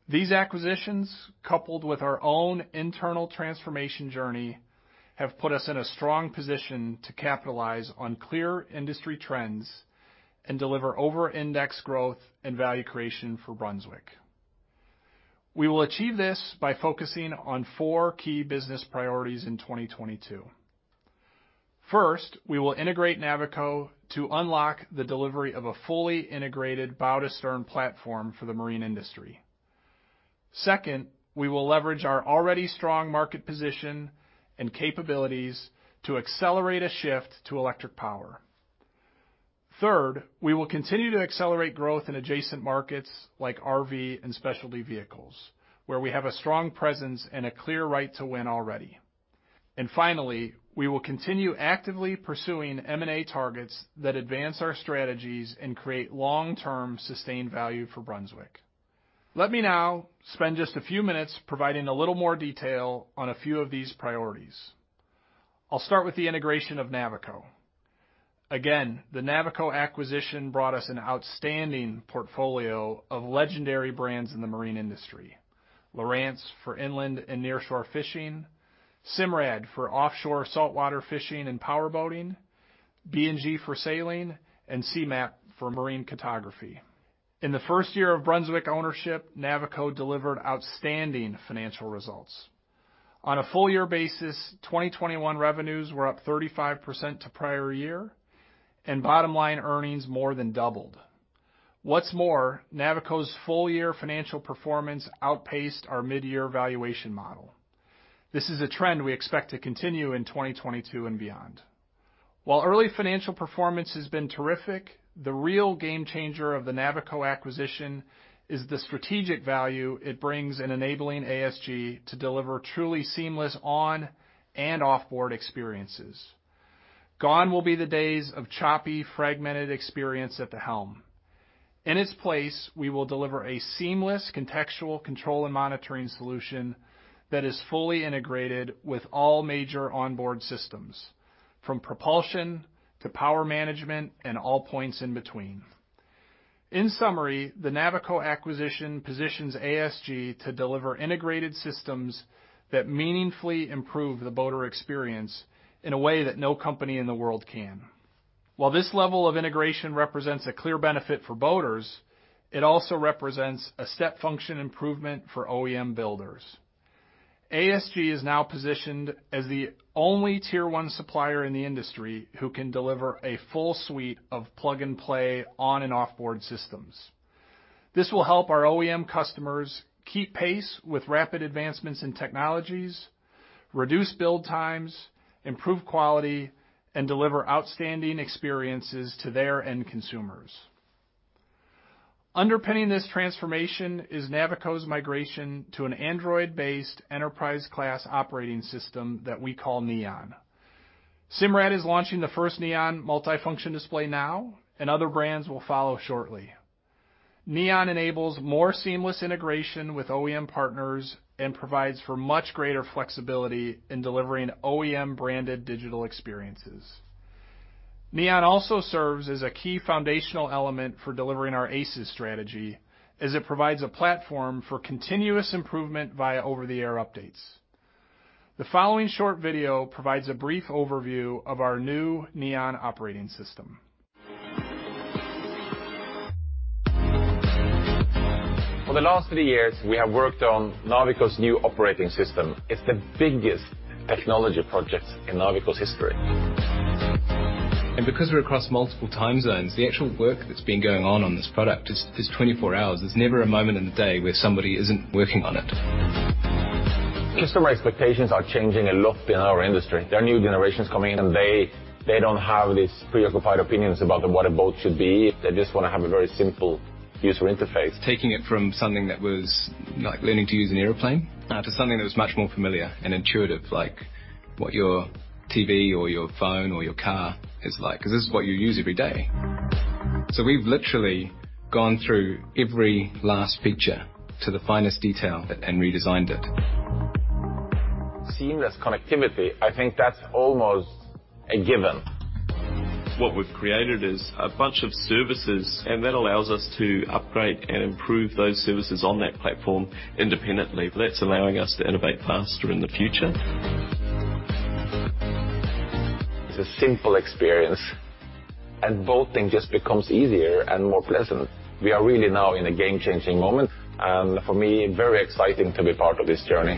These acquisitions, coupled with our own internal transformation journey, have put us in a strong position to capitalize on clear industry trends and deliver over index growth and value creation for Brunswick. We will achieve this by focusing on four key business priorities in 2022. First, we will integrate Navico to unlock the delivery of a fully integrated bow-to-stern platform for the marine industry. Second, we will leverage our already strong market position and capabilities to accelerate a shift to electric power. Third, we will continue to accelerate growth in adjacent markets like RV and specialty vehicles where we have a strong presence and a clear right to win already. Finally, we will continue actively pursuing M&A targets that advance our strategies and create long-term sustained value for Brunswick. Let me now spend just a few minutes providing a little more detail on a few of these priorities. I'll start with the integration of Navico. Again, the Navico acquisition brought us an outstanding portfolio of legendary brands in the marine industry. Lowrance for inland and nearshore fishing, Simrad for offshore saltwater fishing and power boating, B&G for sailing, and C-MAP for marine cartography. In the first year of Brunswick ownership, Navico delivered outstanding financial results. On a full year basis, 2021 revenues were up 35% to prior year, and bottom line earnings more than doubled. What's more, Navico's full year financial performance outpaced our mid-year valuation model. This is a trend we expect to continue in 2022 and beyond. While early financial performance has been terrific, the real game changer of the Navico acquisition is the strategic value it brings in enabling ASG to deliver truly seamless on and off-board experiences. Gone will be the days of choppy, fragmented experience at the helm. In its place, we will deliver a seamless contextual control and monitoring solution that is fully integrated with all major onboard systems, from propulsion to power management and all points in between. In summary, the Navico acquisition positions ASG to deliver integrated systems that meaningfully improve the boater experience in a way that no company in the world can. While this level of integration represents a clear benefit for boaters, it also represents a step function improvement for OEM builders. ASG is now positioned as the only tier one supplier in the industry who can deliver a full suite of plug-and-play on and off-board systems. This will help our OEM customers keep pace with rapid advancements in technologies, reduce build times, improve quality, and deliver outstanding experiences to their end consumers. Underpinning this transformation is Navico's migration to an android-based enterprise class operating system that we call Neon. Simrad is launching the first Neon multifunction display now, and other brands will follow shortly. Neon enables more seamless integration with OEM partners and provides for much greater flexibility in delivering OEM-branded digital experiences. Neon also serves as a key foundational element for delivering our ACES strategy as it provides a platform for continuous improvement via over-the-air updates. The following short video provides a brief overview of our new Neon operating system. For the last three years, we have worked on Navico's new operating system. It's the biggest technology project in Navico's history. Because we're across multiple time zones, the actual work that's been going on on this product is 24 hours. There's never a moment in the day where somebody isn't working on it. Customer expectations are changing a lot in our industry. There are new generations coming in, and they don't have these preoccupied opinions about what a boat should be. They just wanna have a very simple user interface. Taking it from something that was like learning to use an airplane, to something that was much more familiar and intuitive, like what your TV or your phone or your car is like, 'cause this is what you use every day. We've literally gone through every last feature to the finest detail and redesigned it. Seamless connectivity, I think that's almost a given. What we've created is a bunch of services, and that allows us to upgrade and improve those services on that platform independently. That's allowing us to innovate faster in the future. It's a simple experience, and boating just becomes easier and more pleasant. We are really now in a game-changing moment, and for me, very exciting to be part of this journey.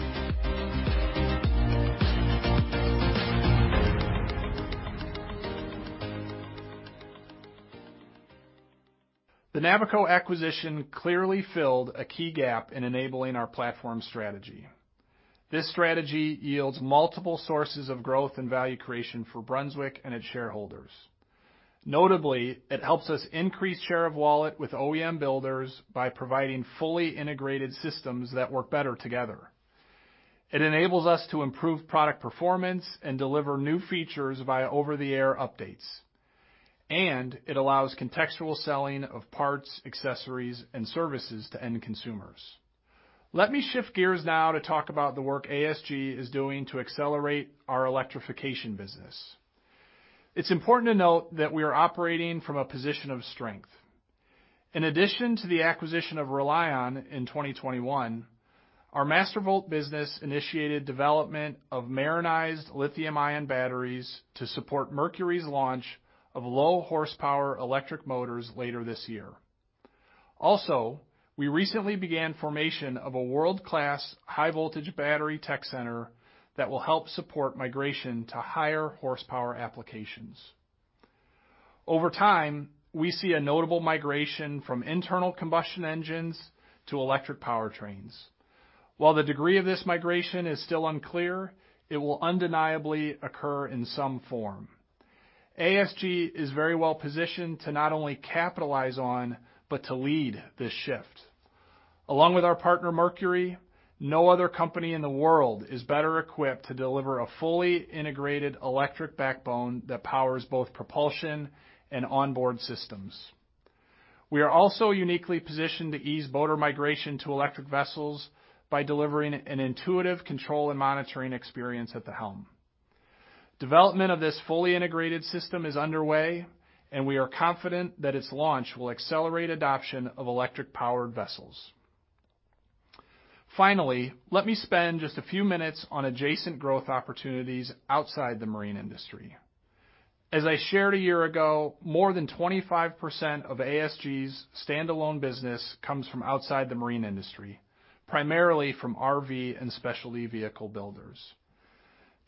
The Navico acquisition clearly filled a key gap in enabling our platform strategy. This strategy yields multiple sources of growth and value creation for Brunswick and its shareholders. Notably, it helps us increase share of wallet with OEM builders by providing fully integrated systems that work better together. It enables us to improve product performance and deliver new features via over-the-air updates, and it allows contextual selling of parts, accessories, and services to end consumers. Let me shift gears now to talk about the work ASG is doing to accelerate our electrification business. It's important to note that we are operating from a position of strength. In addition to the acquisition of RELiON in 2021, our Mastervolt business initiated development of marinized lithium-ion batteries to support Mercury's launch of low-horsepower electric motors later this year. Also, we recently began formation of a world-class high-voltage battery tech center that will help support migration to higher horsepower applications. Over time, we see a notable migration from internal combustion engines to electric powertrains. While the degree of this migration is still unclear, it will undeniably occur in some form. ASG is very well positioned to not only capitalize on, but to lead this shift. Along with our partner, Mercury, no other company in the world is better equipped to deliver a fully integrated electric backbone that powers both propulsion and onboard systems. We are also uniquely positioned to ease boater migration to electric vessels by delivering an intuitive control and monitoring experience at the helm. Development of this fully integrated system is underway, and we are confident that its launch will accelerate adoption of electric-powered vessels. Finally, let me spend just a few minutes on adjacent growth opportunities outside the marine industry. As I shared a year ago, more than 25% of ASG's standalone business comes from outside the marine industry, primarily from RV and specialty vehicle builders.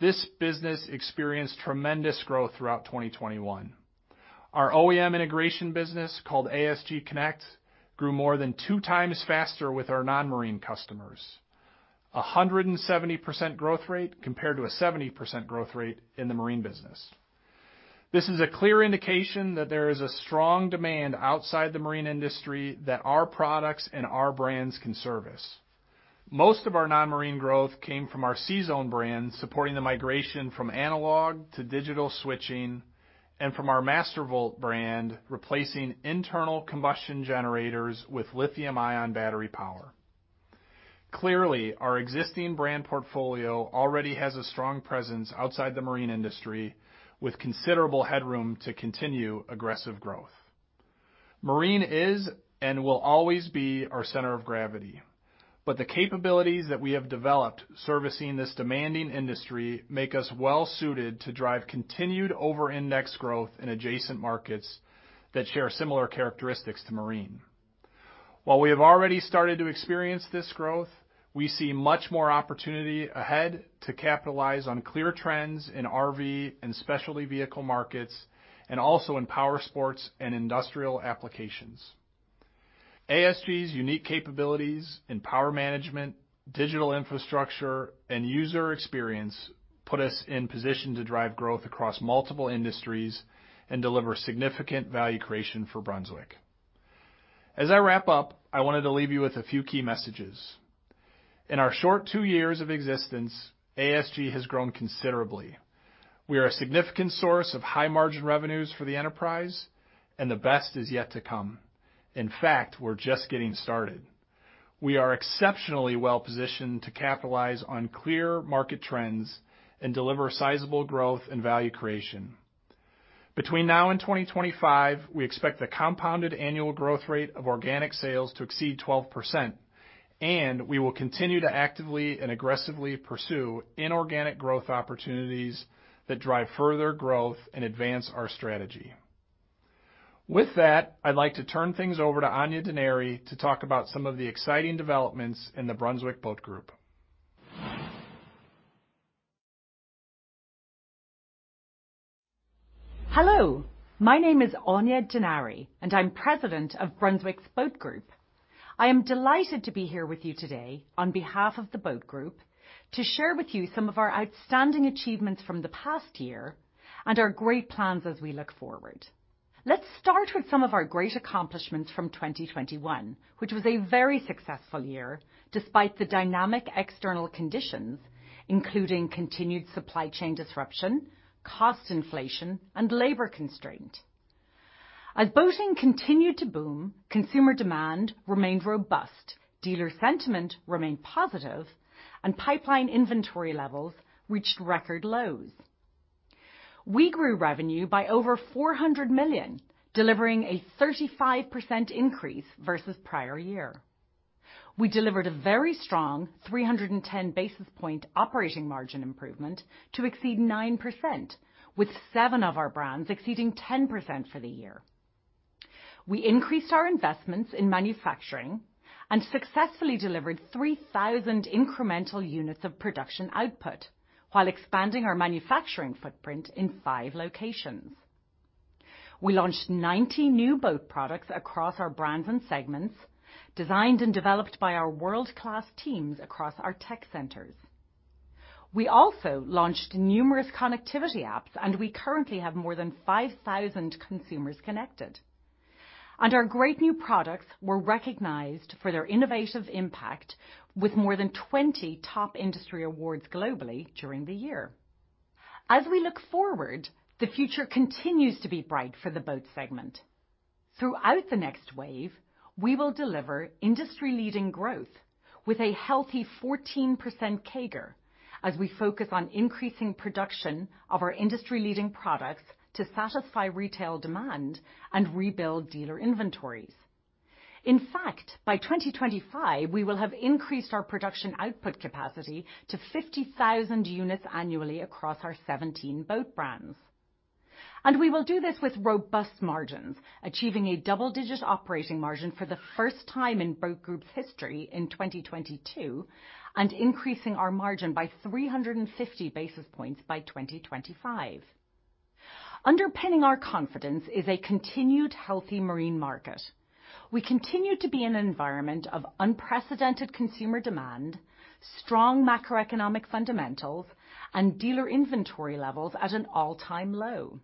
This business experienced tremendous growth throughout 2021. Our OEM integration business, called ASG Connect, grew more than two times faster with our non-marine customers, a 170% growth rate compared to a 70% growth rate in the marine business. This is a clear indication that there is a strong demand outside the marine industry that our products and our brands can service. Most of our non-marine growth came from our CZone brand, supporting the migration from analog to digital switching, and from our Mastervolt brand, replacing internal combustion generators with lithium-ion battery power. Clearly, our existing brand portfolio already has a strong presence outside the marine industry with considerable headroom to continue aggressive growth. Marine is and will always be our center of gravity, but the capabilities that we have developed servicing this demanding industry make us well-suited to drive continued over-index growth in adjacent markets that share similar characteristics to Marine. While we have already started to experience this growth, we see much more opportunity ahead to capitalize on clear trends in RV and specialty vehicle markets and also in power sports and industrial applications. ASG's unique capabilities in power management, digital infrastructure, and user experience put us in position to drive growth across multiple industries and deliver significant value creation for Brunswick. As I wrap up, I wanted to leave you with a few key messages. In our short two years of existence, ASG has grown considerably. We are a significant source of high-margin revenues for the enterprise, and the best is yet to come. In fact, we're just getting started. We are exceptionally well-positioned to capitalize on clear market trends and deliver sizable growth and value creation. Between now and 2025, we expect the compounded annual growth rate of organic sales to exceed 12%, and we will continue to actively and aggressively pursue inorganic growth opportunities that drive further growth and advance our strategy. With that, I'd like to turn things over to Aine Denari to talk about some of the exciting developments in the Brunswick Boat Group. Hello, my name is Aine Denari, and I'm President of Brunswick Boat Group. I am delighted to be here with you today on behalf of the Boat Group to share with you some of our outstanding achievements from the past year and our great plans as we look forward. Let's start with some of our great accomplishments from 2021, which was a very successful year despite the dynamic external conditions, including continued supply chain disruption, cost inflation, and labor constraint. As boating continued to boom, consumer demand remained robust, dealer sentiment remained positive, and pipeline inventory levels reached record lows. We grew revenue by over $400 million, delivering a 35% increase versus prior year. We delivered a very strong 310 basis point operating margin improvement to exceed 9%, with seven of our brands exceeding 10% for the year. We increased our investments in manufacturing and successfully delivered 3,000 incremental units of production output while expanding our manufacturing footprint in five locations. We launched 90 new boat products across our brands and segments, designed and developed by our world-class teams across our tech centers. We also launched numerous connectivity apps, and we currently have more than 5,000 consumers connected. Our great new products were recognized for their innovative impact with more than 20 top industry awards globally during the year. As we look forward, the future continues to be bright for the Boat segment. Throughout the Next Wave, we will deliver industry-leading growth with a healthy 14% CAGR as we focus on increasing production of our industry-leading products to satisfy retail demand and rebuild dealer inventories. In fact, by 2025, we will have increased our production output capacity to 50,000 units annually across our 17 boat brands. We will do this with robust margins, achieving a double-digit operating margin for the first time in Boat Group's history in 2022, and increasing our margin by 350 basis points by 2025. Underpinning our confidence is a continued healthy marine market. We continue to be in an environment of unprecedented consumer demand, strong macroeconomic fundamentals, and dealer inventory levels at an all-time low.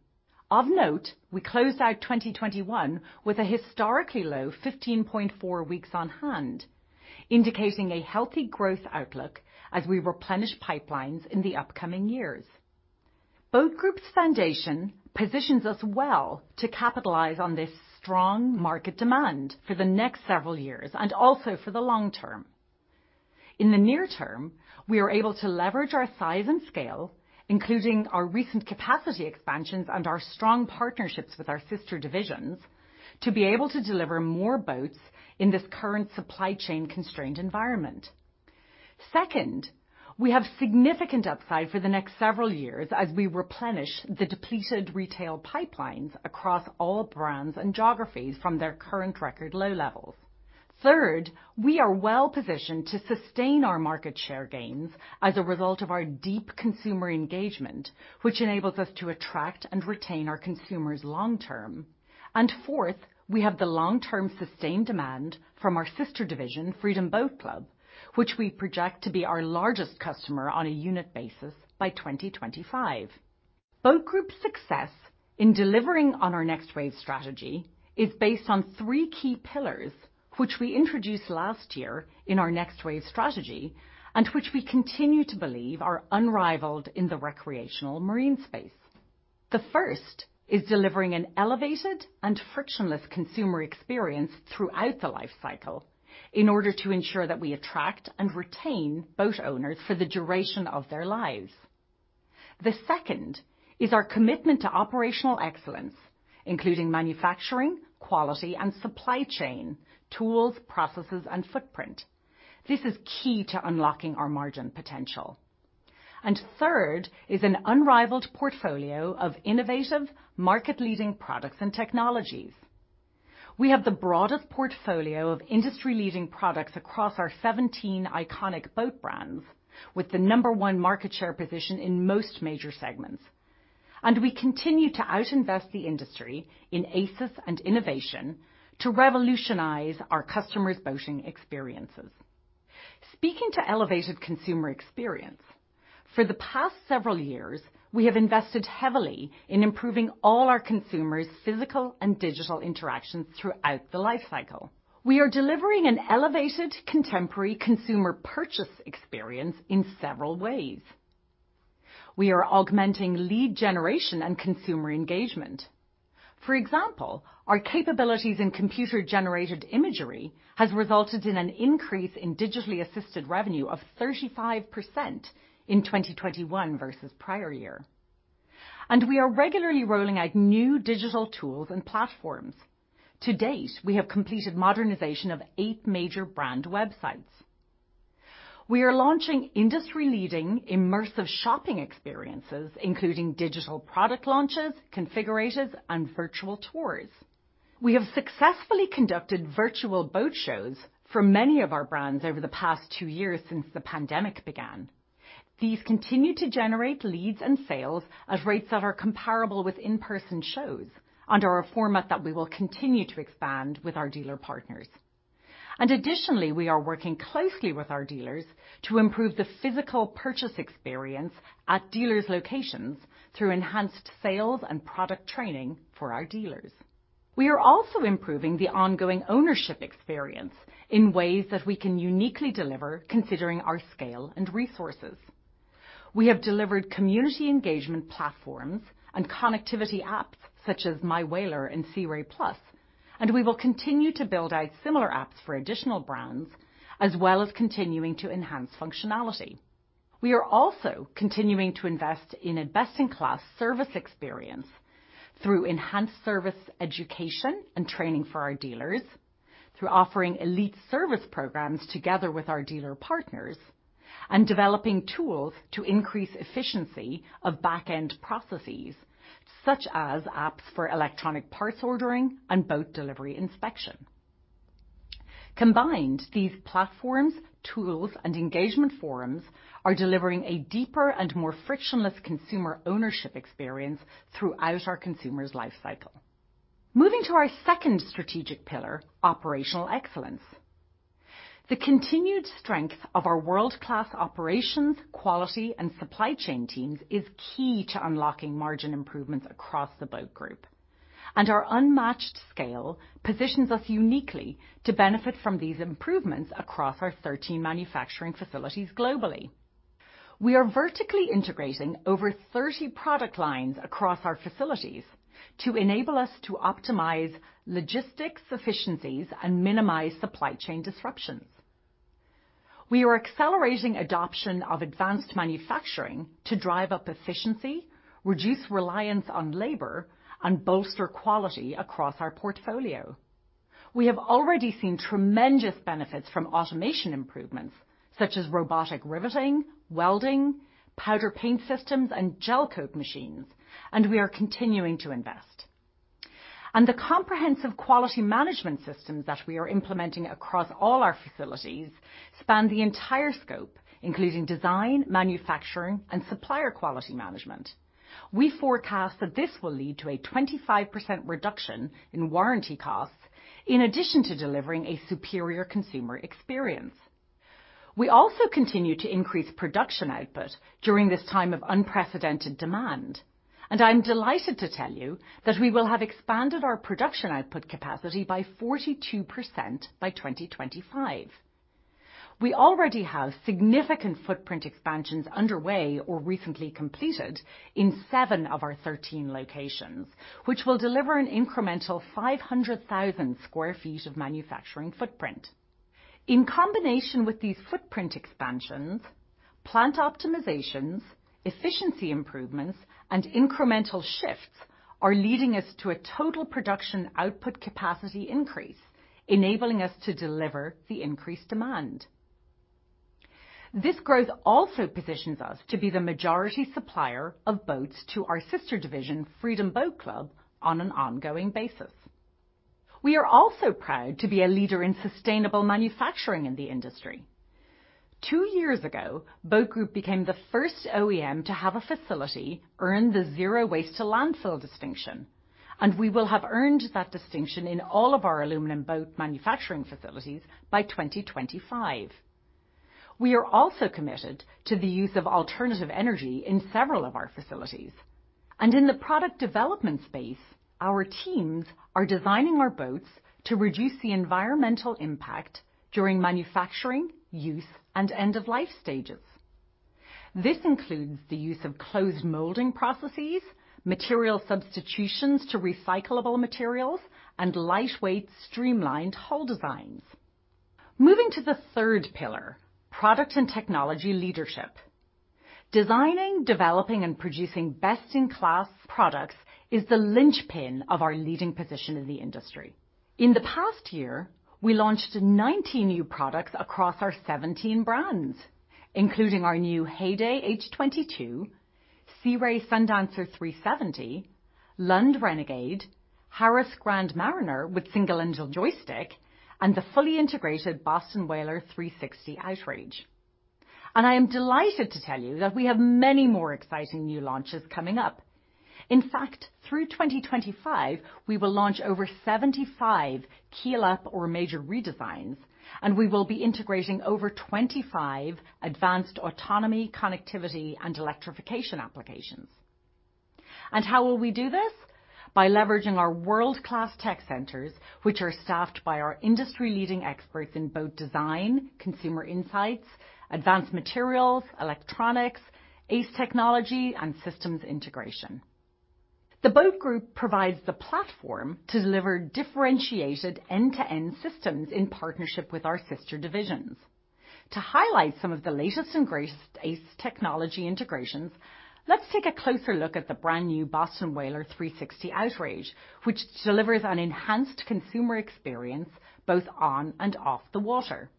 Of note, we closed out 2021 with a historically low 15.4 weeks on hand, indicating a healthy growth outlook as we replenish pipelines in the upcoming years. Boat Group's foundation positions us well to capitalize on this strong market demand for the next several years and also for the long term. In the near term, we are able to leverage our size and scale, including our recent capacity expansions and our strong partnerships with our sister divisions to be able to deliver more boats in this current supply chain constrained environment. Second, we have significant upside for the next several years as we replenish the depleted retail pipelines across all brands and geographies from their current record low levels. Third, we are well-positioned to sustain our market share gains as a result of our deep consumer engagement, which enables us to attract and retain our consumers long term. Fourth, we have the long-term sustained demand from our sister division, Freedom Boat Club, which we project to be our largest customer on a unit basis by 2025. Boat Group's success in delivering on our Next Wave strategy is based on three key pillars, which we introduced last year in our Next Wave strategy, and which we continue to believe are unrivaled in the recreational marine space. The first is delivering an elevated and frictionless consumer experience throughout the life cycle in order to ensure that we attract and retain boat owners for the duration of their lives. The second is our commitment to operational excellence, including manufacturing, quality, and supply chain, tools, processes, and footprint. This is key to unlocking our margin potential. Third is an unrivaled portfolio of innovative market-leading products and technologies. We have the broadest portfolio of industry-leading products across our 17 iconic boat brands with the No. one market share position in most major segments. We continue to outinvest the industry in ACES and innovation to revolutionize our customers' boating experiences. Speaking to elevated consumer experience, for the past several years, we have invested heavily in improving all our consumers' physical and digital interactions throughout the life cycle. We are delivering an elevated contemporary consumer purchase experience in several ways. We are augmenting lead generation and consumer engagement. For example, our capabilities in computer-generated imagery has resulted in an increase in digitally assisted revenue of 35% in 2021 versus prior year. We are regularly rolling out new digital tools and platforms. To date, we have completed modernization of 8 major brand websites. We are launching industry-leading immersive shopping experiences, including digital product launches, configurators, and virtual tours. We have successfully conducted virtual boat shows for many of our brands over the past 2 years since the pandemic began. These continue to generate leads and sales at rates that are comparable with in-person shows under a format that we will continue to expand with our dealer partners. Additionally, we are working closely with our dealers to improve the physical purchase experience at dealers' locations through enhanced sales and product training for our dealers. We are also improving the ongoing ownership experience in ways that we can uniquely deliver considering our scale and resources. We have delivered community engagement platforms and connectivity apps such as MyWhaler and Sea Ray+, and we will continue to build out similar apps for additional brands as well as continuing to enhance functionality. We are also continuing to invest in a best-in-class service experience through enhanced service education and training for our dealers, through offering elite service programs together with our dealer partners, and developing tools to increase efficiency of back-end processes, such as apps for electronic parts ordering and boat delivery inspection. Combined, these platforms, tools, and engagement forums are delivering a deeper and more frictionless consumer ownership experience throughout our consumers' life cycle. Moving to our second strategic pillar, operational excellence. The continued strength of our world-class operations, quality, and supply chain teams is key to unlocking margin improvements across the Boat Group. Our unmatched scale positions us uniquely to benefit from these improvements across our 13 manufacturing facilities globally. We are vertically integrating over 30 product lines across our facilities to enable us to optimize logistics efficiencies and minimize supply chain disruptions. We are accelerating adoption of advanced manufacturing to drive up efficiency, reduce reliance on labor, and bolster quality across our portfolio. We have already seen tremendous benefits from automation improvements such as robotic riveting, welding, powder paint systems, and gel coat machines, and we are continuing to invest. The comprehensive quality management systems that we are implementing across all our facilities span the entire scope, including design, manufacturing, and supplier quality management. We forecast that this will lead to a 25% reduction in warranty costs in addition to delivering a superior consumer experience. We also continue to increase production output during this time of unprecedented demand. I'm delighted to tell you that we will have expanded our production output capacity by 42% by 2025. We already have significant footprint expansions underway or recently completed in seven of our 13 locations, which will deliver an incremental 500,000 sq ft of manufacturing footprint. In combination with these footprint expansions, plant optimizations, efficiency improvements, and incremental shifts are leading us to a total production output capacity increase, enabling us to deliver the increased demand. This growth also positions us to be the majority supplier of boats to our sister division, Freedom Boat Club, on an ongoing basis. We are also proud to be a leader in sustainable manufacturing in the industry. Two years ago, Boat Group became the first OEM to have a facility earn the zero waste to landfill distinction, and we will have earned that distinction in all of our aluminum boat manufacturing facilities by 2025. We are also committed to the use of alternative energy in several of our facilities. In the product development space, our teams are designing our boats to reduce the environmental impact during manufacturing, use, and end-of-life stages. This includes the use of closed molding processes, material substitutions to recyclable materials, and lightweight, streamlined hull designs. Moving to the third pillar, product and technology leadership. Designing, developing, and producing best-in-class products is the linchpin of our leading position in the industry. In the past year, we launched 19 new products across our 17 brands, including our new Heyday H22, Sea Ray Sundancer 370, Lund Renegade, Harris Grand Mariner with single engine joystick, and the fully integrated Boston Whaler 360 Outrage. I am delighted to tell you that we have many more exciting new launches coming up. In fact, through 2025, we will launch over 75 keel-up or major redesigns, and we will be integrating over 25 advanced autonomy, connectivity, and electrification applications. How will we do this? By leveraging our world-class tech centers, which are staffed by our industry-leading experts in boat design, consumer insights, advanced materials, electronics, ACE technology, and systems integration. The Boat Group provides the platform to deliver differentiated end-to-end systems in partnership with our sister divisions. To highlight some of the latest and greatest ACES technology integrations, let's take a closer look at the brand-new Boston Whaler 360 Outrage, which delivers an enhanced consumer experience both on and off the water.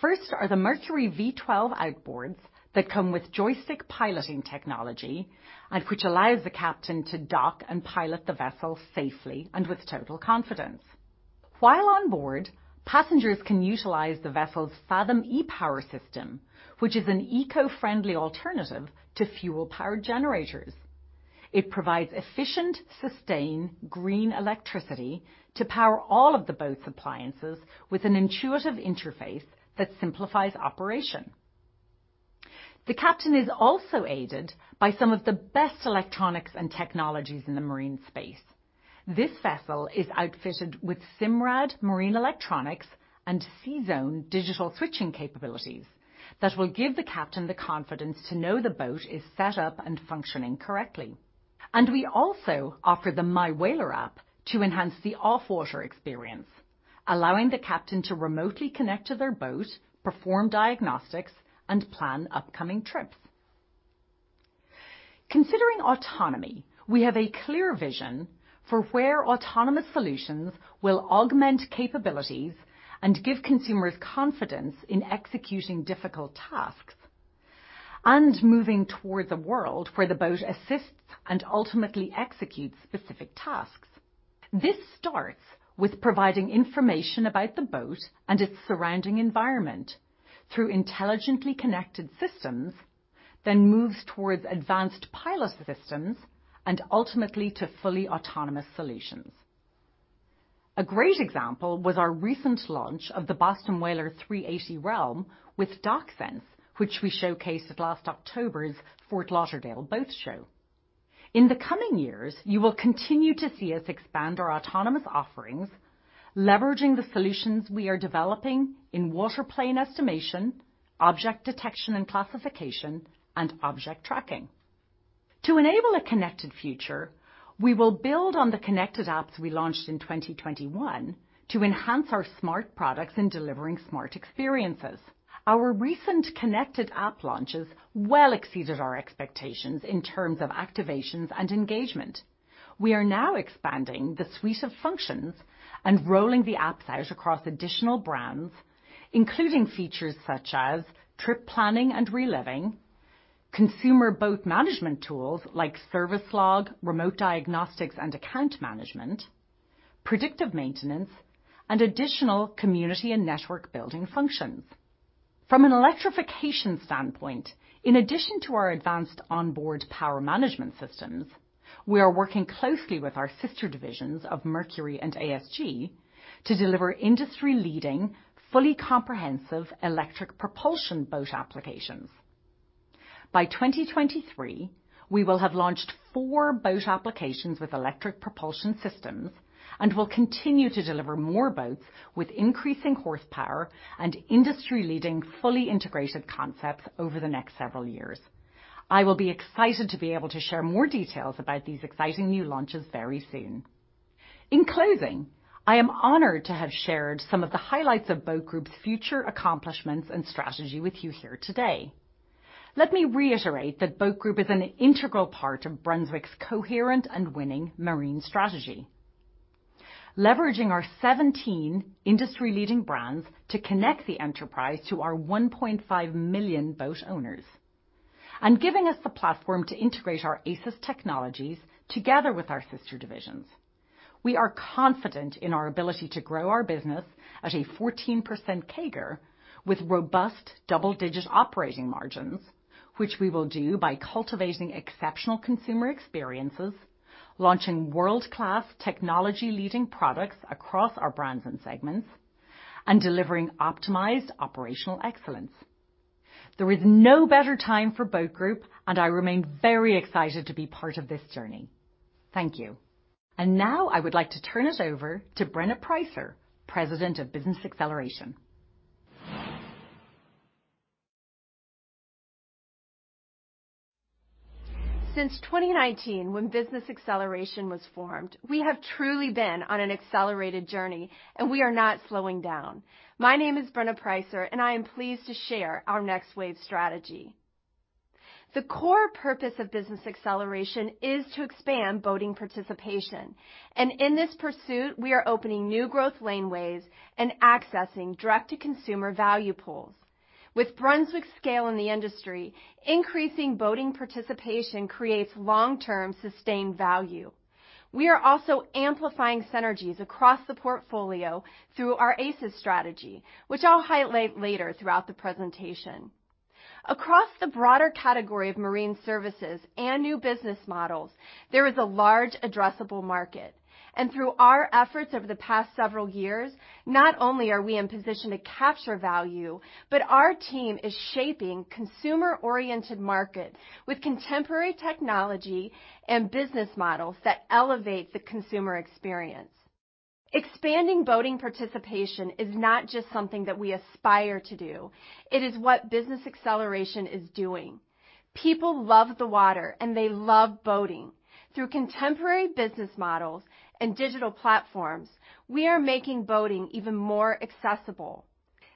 First are the Mercury V12 outboards that come with joystick piloting technology and which allows the captain to dock and pilot the vessel safely and with total confidence. While on board, passengers can utilize the vessel's Fathom E-Power system, which is an eco-friendly alternative to fuel-powered generators. It provides efficient, sustained green electricity to power all of the boat's appliances with an intuitive interface that simplifies operation. The captain is also aided by some of the best electronics and technologies in the marine space. This vessel is outfitted with Simrad marine electronics and CZone digital switching capabilities that will give the captain the confidence to know the boat is set up and functioning correctly. We also offer the MyWhaler app to enhance the off-water experience, allowing the captain to remotely connect to their boat, perform diagnostics, and plan upcoming trips. Considering autonomy, we have a clear vision for where autonomous solutions will augment capabilities and give consumers confidence in executing difficult tasks and moving towards a world where the boat assists and ultimately executes specific tasks. This starts with providing information about the boat and its surrounding environment through intelligently connected systems. Moves towards advanced pilot systems and ultimately to fully autonomous solutions. A great example was our recent launch of the Boston Whaler 380 Realm with DockSense, which we showcased at last October's Fort Lauderdale Boat Show. In the coming years, you will continue to see us expand our autonomous offerings, leveraging the solutions we are developing in water plane estimation, object detection and classification, and object tracking. To enable a connected future, we will build on the connected apps we launched in 2021 to enhance our smart products in delivering smart experiences. Our recent connected app launches well exceeded our expectations in terms of activations and engagement. We are now expanding the suite of functions and rolling the apps out across additional brands, including features such as trip planning and reliving, consumer boat management tools like service log, remote diagnostics and account management, predictive maintenance, and additional community and network building functions. From an electrification standpoint, in addition to our advanced onboard power management systems, we are working closely with our sister divisions of Mercury and ASG to deliver industry-leading, fully comprehensive electric propulsion boat applications. By 2023, we will have launched four boat applications with electric propulsion systems and will continue to deliver more boats with increasing horsepower and industry-leading fully integrated concepts over the next several years. I will be excited to be able to share more details about these exciting new launches very soon. In closing, I am honored to have shared some of the highlights of Boat Group's future accomplishments and strategy with you here today. Let me reiterate that Boat Group is an integral part of Brunswick's coherent and winning marine strategy, leveraging our 17 industry-leading brands to connect the enterprise to our 1.5 million boat owners and giving us the platform to integrate our ACES technologies together with our sister divisions. We are confident in our ability to grow our business at a 14% CAGR with robust double-digit operating margins, which we will do by cultivating exceptional consumer experiences, launching world-class technology-leading products across our brands and segments, and delivering optimized operational excellence. There is no better time for Boat Group, and I remain very excited to be part of this journey. Thank you. Now I would like to turn it over to Brenna Preisser, President of Business Acceleration. Since 2019, when Business Acceleration was formed, we have truly been on an accelerated journey, and we are not slowing down. My name is Brenna Preisser, and I am pleased to share our Next Wave strategy. The core purpose of Business Acceleration is to expand boating participation, and in this pursuit, we are opening new growth laneways and accessing direct-to-consumer value pools. With Brunswick's scale in the industry, increasing boating participation creates long-term sustained value. We are also amplifying synergies across the portfolio through our ACES strategy, which I'll highlight later throughout the presentation. Across the broader category of marine services and new business models, there is a large addressable market. Through our efforts over the past several years, not only are we in position to capture value, but our team is shaping consumer-oriented market with contemporary technology and business models that elevate the consumer experience. Expanding boating participation is not just something that we aspire to do. It is what Business Acceleration is doing. People love the water, and they love boating. Through contemporary business models and digital platforms, we are making boating even more accessible.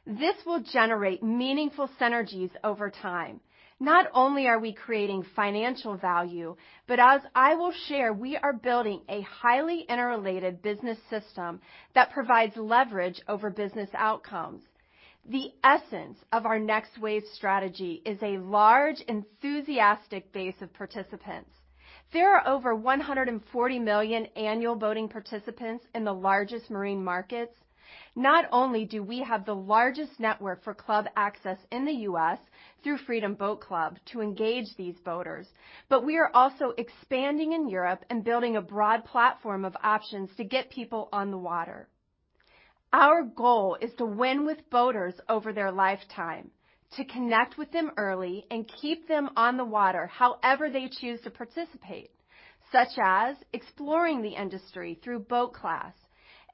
This will generate meaningful synergies over time. Not only are we creating financial value, but as I will share, we are building a highly interrelated business system that provides leverage over business outcomes. The essence of our Next Wave strategy is a large, enthusiastic base of participants. There are over 140 million annual boating participants in the largest marine markets. Not only do we have the largest network for club access in the U.S. through Freedom Boat Club to engage these boaters, but we are also expanding in Europe and building a broad platform of options to get people on the water. Our goal is to win with boaters over their lifetime, to connect with them early and keep them on the water however they choose to participate, such as exploring the industry through Boat Class,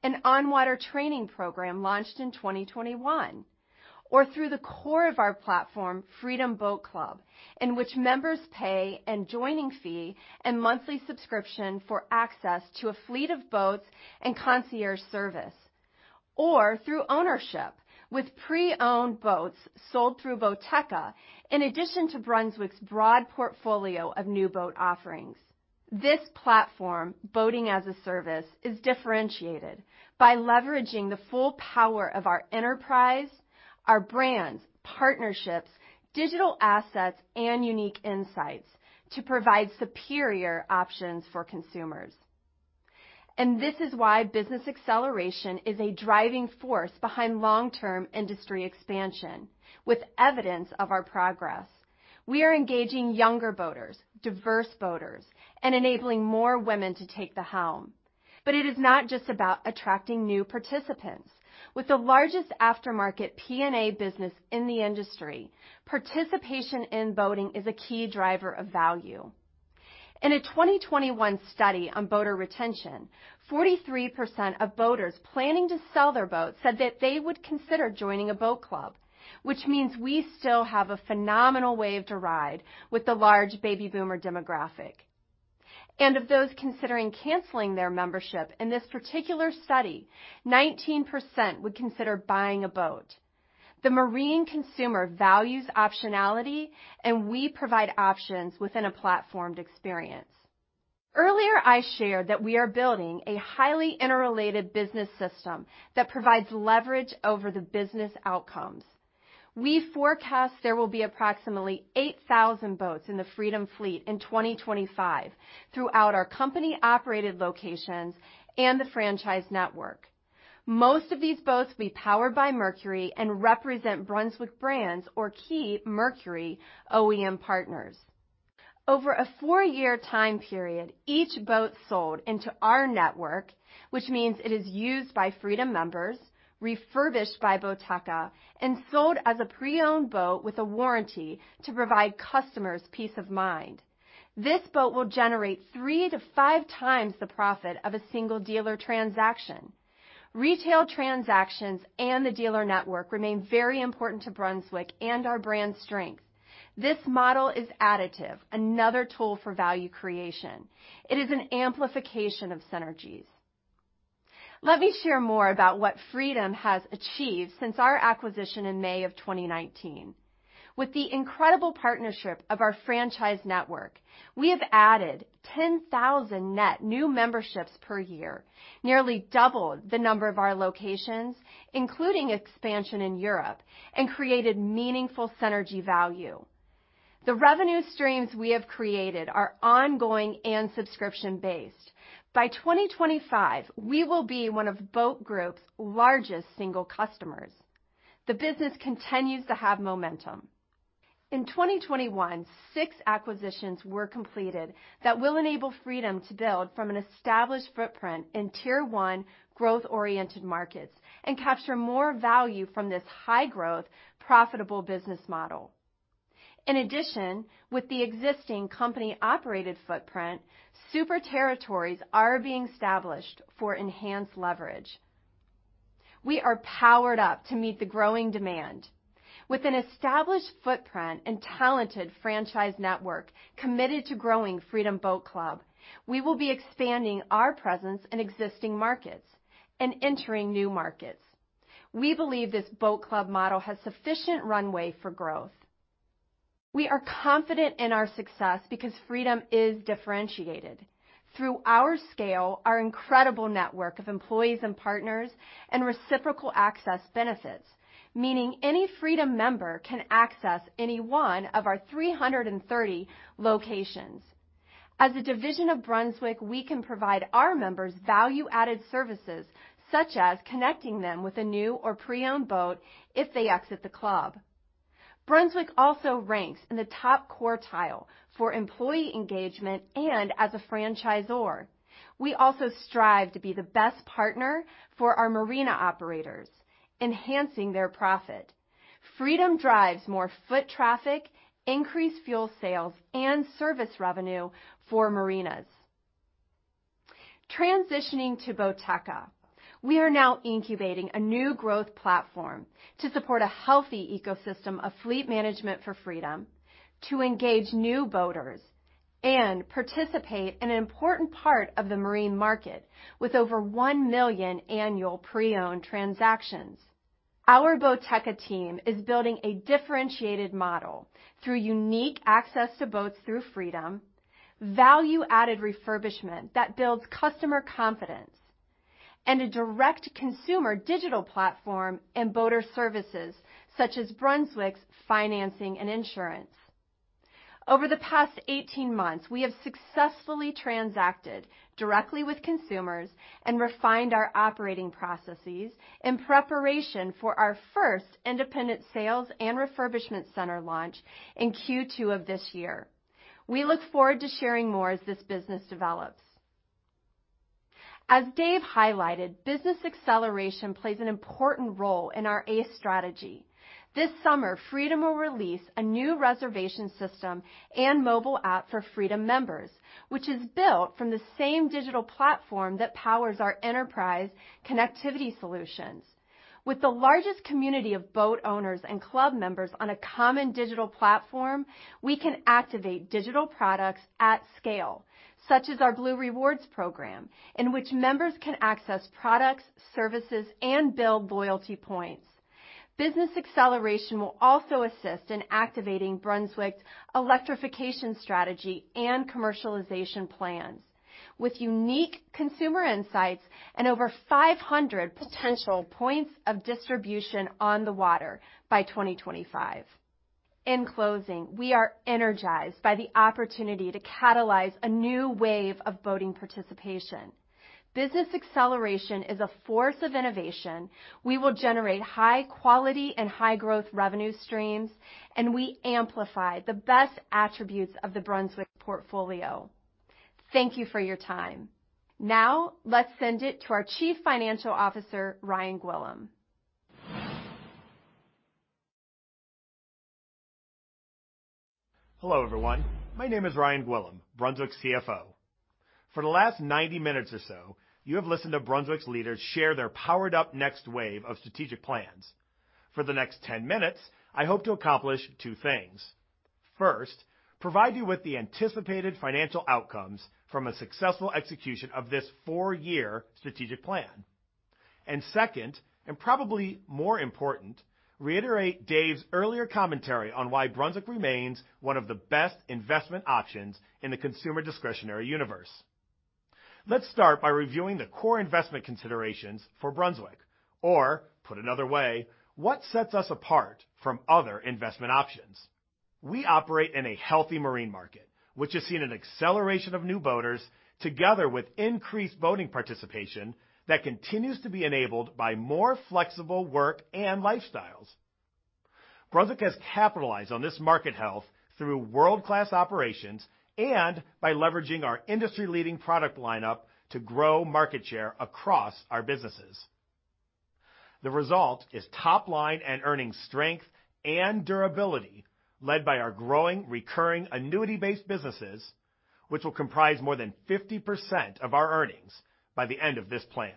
an on-water training program launched in 2021, or through the core of our platform, Freedom Boat Club, in which members pay a joining fee and monthly subscription for access to a fleet of boats and concierge service. Or through ownership with pre-owned boats sold through Boateka, in addition to Brunswick's broad portfolio of new boat offerings. This platform, Boating as a Service, is differentiated by leveraging the full power of our enterprise, our brands, partnerships, digital assets, and unique insights to provide superior options for consumers. This is why Business Acceleration is a driving force behind long-term industry expansion with evidence of our progress. We are engaging younger boaters, diverse boaters, and enabling more women to take the helm. It is not just about attracting new participants. With the largest aftermarket P&A business in the industry, participation in boating is a key driver of value. In a 2021 study on boater retention, 43% of boaters planning to sell their boats said that they would consider joining a boat club, which means we still have a phenomenal wave to ride with the large baby boomer demographic. Of those considering canceling their membership in this particular study, 19% would consider buying a boat. The marine consumer values optionality, and we provide options within a platformed experience. Earlier, I shared that we are building a highly interrelated business system that provides leverage over the business outcomes. We forecast there will be approximately 8,000 boats in the Freedom Fleet in 2025 throughout our company-operated locations and the franchise network. Most of these boats will be powered by Mercury and represent Brunswick brands or key Mercury OEM partners. Over a four-year time period, each boat sold into our network, which means it is used by Freedom members, refurbished by Boateka, and sold as a pre-owned boat with a warranty to provide customers peace of mind. This boat will generate three-five times the profit of a single dealer transaction. Retail transactions and the dealer network remain very important to Brunswick and our brand strength. This model is additive, another tool for value creation. It is an amplification of synergies. Let me share more about what Freedom has achieved since our acquisition in May 2019. With the incredible partnership of our franchise network, we have added 10,000 net new memberships per year, nearly double the number of our locations, including expansion in Europe, and created meaningful synergy value. The revenue streams we have created are ongoing and subscription-based. By 2025, we will be one of Boat Group's largest single customers. The business continues to have momentum. In 2021, six acquisitions were completed that will enable Freedom to build from an established footprint in tier one growth-oriented markets and capture more value from this high-growth, profitable business model. In addition, with the existing company-operated footprint, super territories are being established for enhanced leverage. We are powered up to meet the growing demand. With an established footprint and talented franchise network committed to growing Freedom Boat Club, we will be expanding our presence in existing markets and entering new markets. We believe this boat club model has sufficient runway for growth. We are confident in our success because Freedom is differentiated through our scale, our incredible network of employees and partners, and reciprocal access benefits, meaning any Freedom member can access any one of our 330 locations. As a division of Brunswick, we can provide our members value-added services such as connecting them with a new or pre-owned boat if they exit the club. Brunswick also ranks in the top quartile for employee engagement and as a franchisor. We also strive to be the best partner for our marina operators, enhancing their profit. Freedom drives more foot traffic, increased fuel sales, and service revenue for marinas. Transitioning to Boateka, we are now incubating a new growth platform to support a healthy ecosystem of fleet management for Freedom, to engage new boaters and participate in an important part of the marine market with over 1 million annual pre-owned transactions. Our Boateka team is building a differentiated model through unique access to boats through Freedom, value-added refurbishment that builds customer confidence, and a direct-to-consumer digital platform and boater services such as Brunswick's financing and insurance. Over the past 18 months, we have successfully transacted directly with consumers and refined our operating processes in preparation for our first independent sales and refurbishment center launch in Q2 of this year. We look forward to sharing more as this business develops. As Dave highlighted, Business Acceleration plays an important role in our ACE strategy. This summer, Freedom will release a new reservation system and mobile app for Freedom members, which is built from the same digital platform that powers our enterprise connectivity solutions. With the largest community of boat owners and club members on a common digital platform, we can activate digital products at scale, such as our Blue Rewards program in which members can access products, services, and build loyalty points. Business Acceleration will also assist in activating Brunswick's electrification strategy and commercialization plans with unique consumer insights and over 500 potential points of distribution on the water by 2025. In closing, we are energized by the opportunity to catalyze a new wave of boating participation. Business Acceleration is a force of innovation. We will generate high quality and high growth revenue streams, and we amplify the best attributes of the Brunswick portfolio. Thank you for your time. Now, let's send it to our Chief Financial Officer, Ryan Gwillim. Hello, everyone. My name is Ryan Gwillim, Brunswick's CFO. For the last 90 minutes or so, you have listened to Brunswick's leaders share their powered-up Next Wave of strategic plans. For the next 10 minutes, I hope to accomplish two things. First, provide you with the anticipated financial outcomes from a successful execution of this four-year strategic plan. Second, and probably more important, reiterate Dave's earlier commentary on why Brunswick remains one of the best investment options in the consumer discretionary universe. Let's start by reviewing the core investment considerations for Brunswick or, put another way, what sets us apart from other investment options? We operate in a healthy marine market, which has seen an acceleration of new boaters together with increased boating participation that continues to be enabled by more flexible work and lifestyles. Brunswick has capitalized on this market health through world-class operations and by leveraging our industry-leading product lineup to grow market share across our businesses. The result is top line and earnings strength and durability led by our growing recurring annuity-based businesses, which will comprise more than 50% of our earnings by the end of this plan.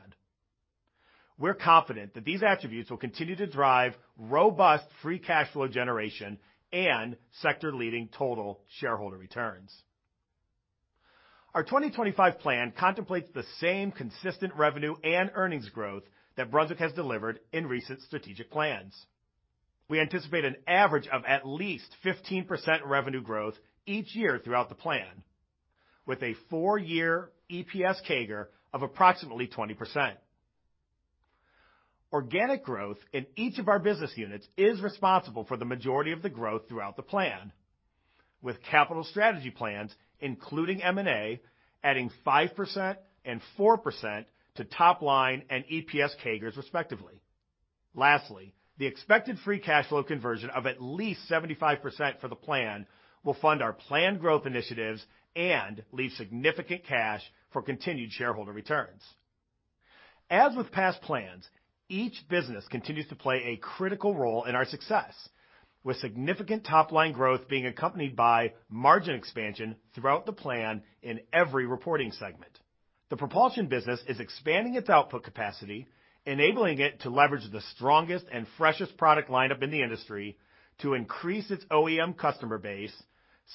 We're confident that these attributes will continue to drive robust free cash flow generation and sector-leading total shareholder returns. Our 2025 plan contemplates the same consistent revenue and earnings growth that Brunswick has delivered in recent strategic plans. We anticipate an average of at least 15% revenue growth each year throughout the plan, with a four-year EPS CAGR of approximately 20%. Organic growth in each of our business units is responsible for the majority of the growth throughout the plan, with capital strategy plans, including M&A, adding 5% and 4% to top-line and EPS CAGRs, respectively. Lastly, the expected free cash flow conversion of at least 75% for the plan will fund our planned growth initiatives and leave significant cash for continued shareholder returns. As with past plans, each business continues to play a critical role in our success, with significant top-line growth being accompanied by margin expansion throughout the plan in every reporting segment. The propulsion business is expanding its output capacity, enabling it to leverage the strongest and freshest product lineup in the industry to increase its OEM customer base,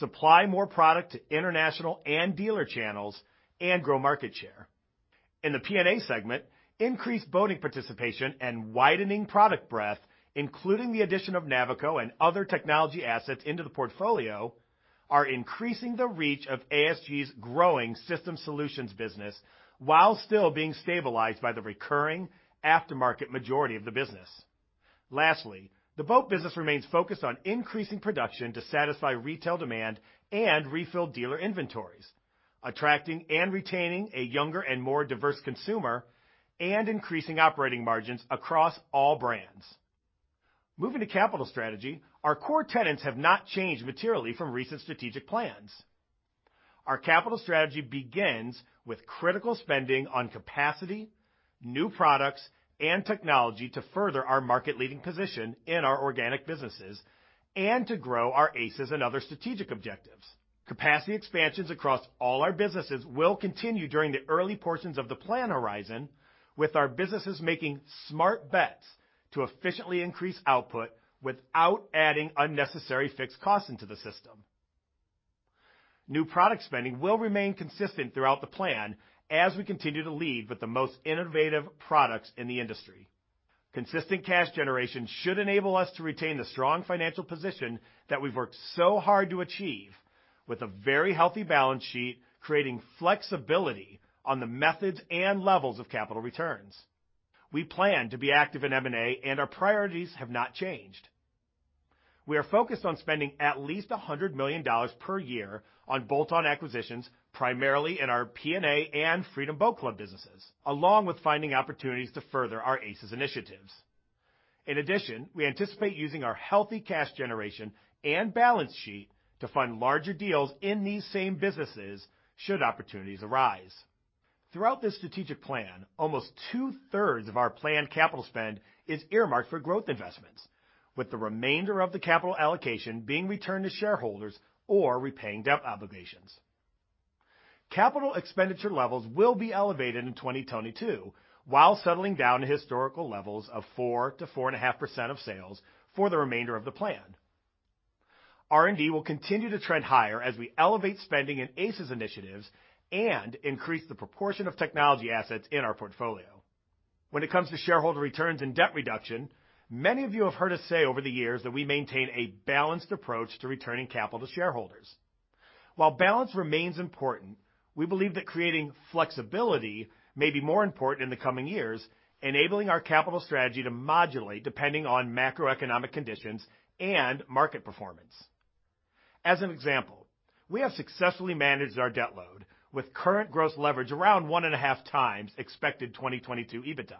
supply more product to international and dealer channels, and grow market share. In the P&A segment, increased boating participation and widening product breadth, including the addition of Navico and other technology assets into the portfolio, are increasing the reach of ASG's growing system solutions business while still being stabilized by the recurring aftermarket majority of the business. Lastly, the boat business remains focused on increasing production to satisfy retail demand and refill dealer inventories, attracting and retaining a younger and more diverse consumer, and increasing operating margins across all brands. Moving to capital strategy, our core tenets have not changed materially from recent strategic plans. Our capital strategy begins with critical spending on capacity, new products, and technology to further our market-leading position in our organic businesses and to grow our ACES and other strategic objectives. Capacity expansions across all our businesses will continue during the early portions of the plan horizon with our businesses making smart bets to efficiently increase output without adding unnecessary fixed costs into the system. New product spending will remain consistent throughout the plan as we continue to lead with the most innovative products in the industry. Consistent cash generation should enable us to retain the strong financial position that we've worked so hard to achieve with a very healthy balance sheet, creating flexibility on the methods and levels of capital returns. We plan to be active in M&A, and our priorities have not changed. We are focused on spending at least $100 million per year on bolt-on acquisitions, primarily in our P&A and Freedom Boat Club businesses, along with finding opportunities to further our ACES initiatives. In addition, we anticipate using our healthy cash generation and balance sheet to fund larger deals in these same businesses should opportunities arise. Throughout this strategic plan, almost two-thirds of our planned capital spend is earmarked for growth investments, with the remainder of the capital allocation being returned to shareholders or repaying debt obligations. Capital expenditure levels will be elevated in 2022 while settling down to historical levels of 4%-4.5% of sales for the remainder of the plan. R&D will continue to trend higher as we elevate spending in ACES initiatives and increase the proportion of technology assets in our portfolio. When it comes to shareholder returns and debt reduction, many of you have heard us say over the years that we maintain a balanced approach to returning capital to shareholders. While balance remains important, we believe that creating flexibility may be more important in the coming years, enabling our capital strategy to modulate depending on macroeconomic conditions and market performance. As an example, we have successfully managed our debt load with current gross leverage around 1.5x expected 2022 EBITDA.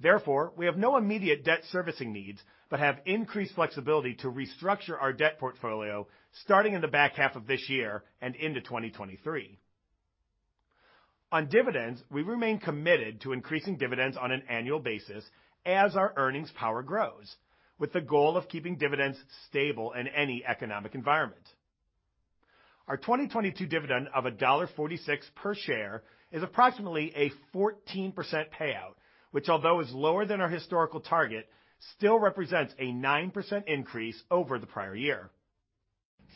Therefore, we have no immediate debt servicing needs, but have increased flexibility to restructure our debt portfolio starting in the back half of this year and into 2023. On dividends, we remain committed to increasing dividends on an annual basis as our earnings power grows, with the goal of keeping dividends stable in any economic environment. Our 2022 dividend of $1.46 per share is approximately a 14% payout, which although is lower than our historical target, still represents a 9% increase over the prior year.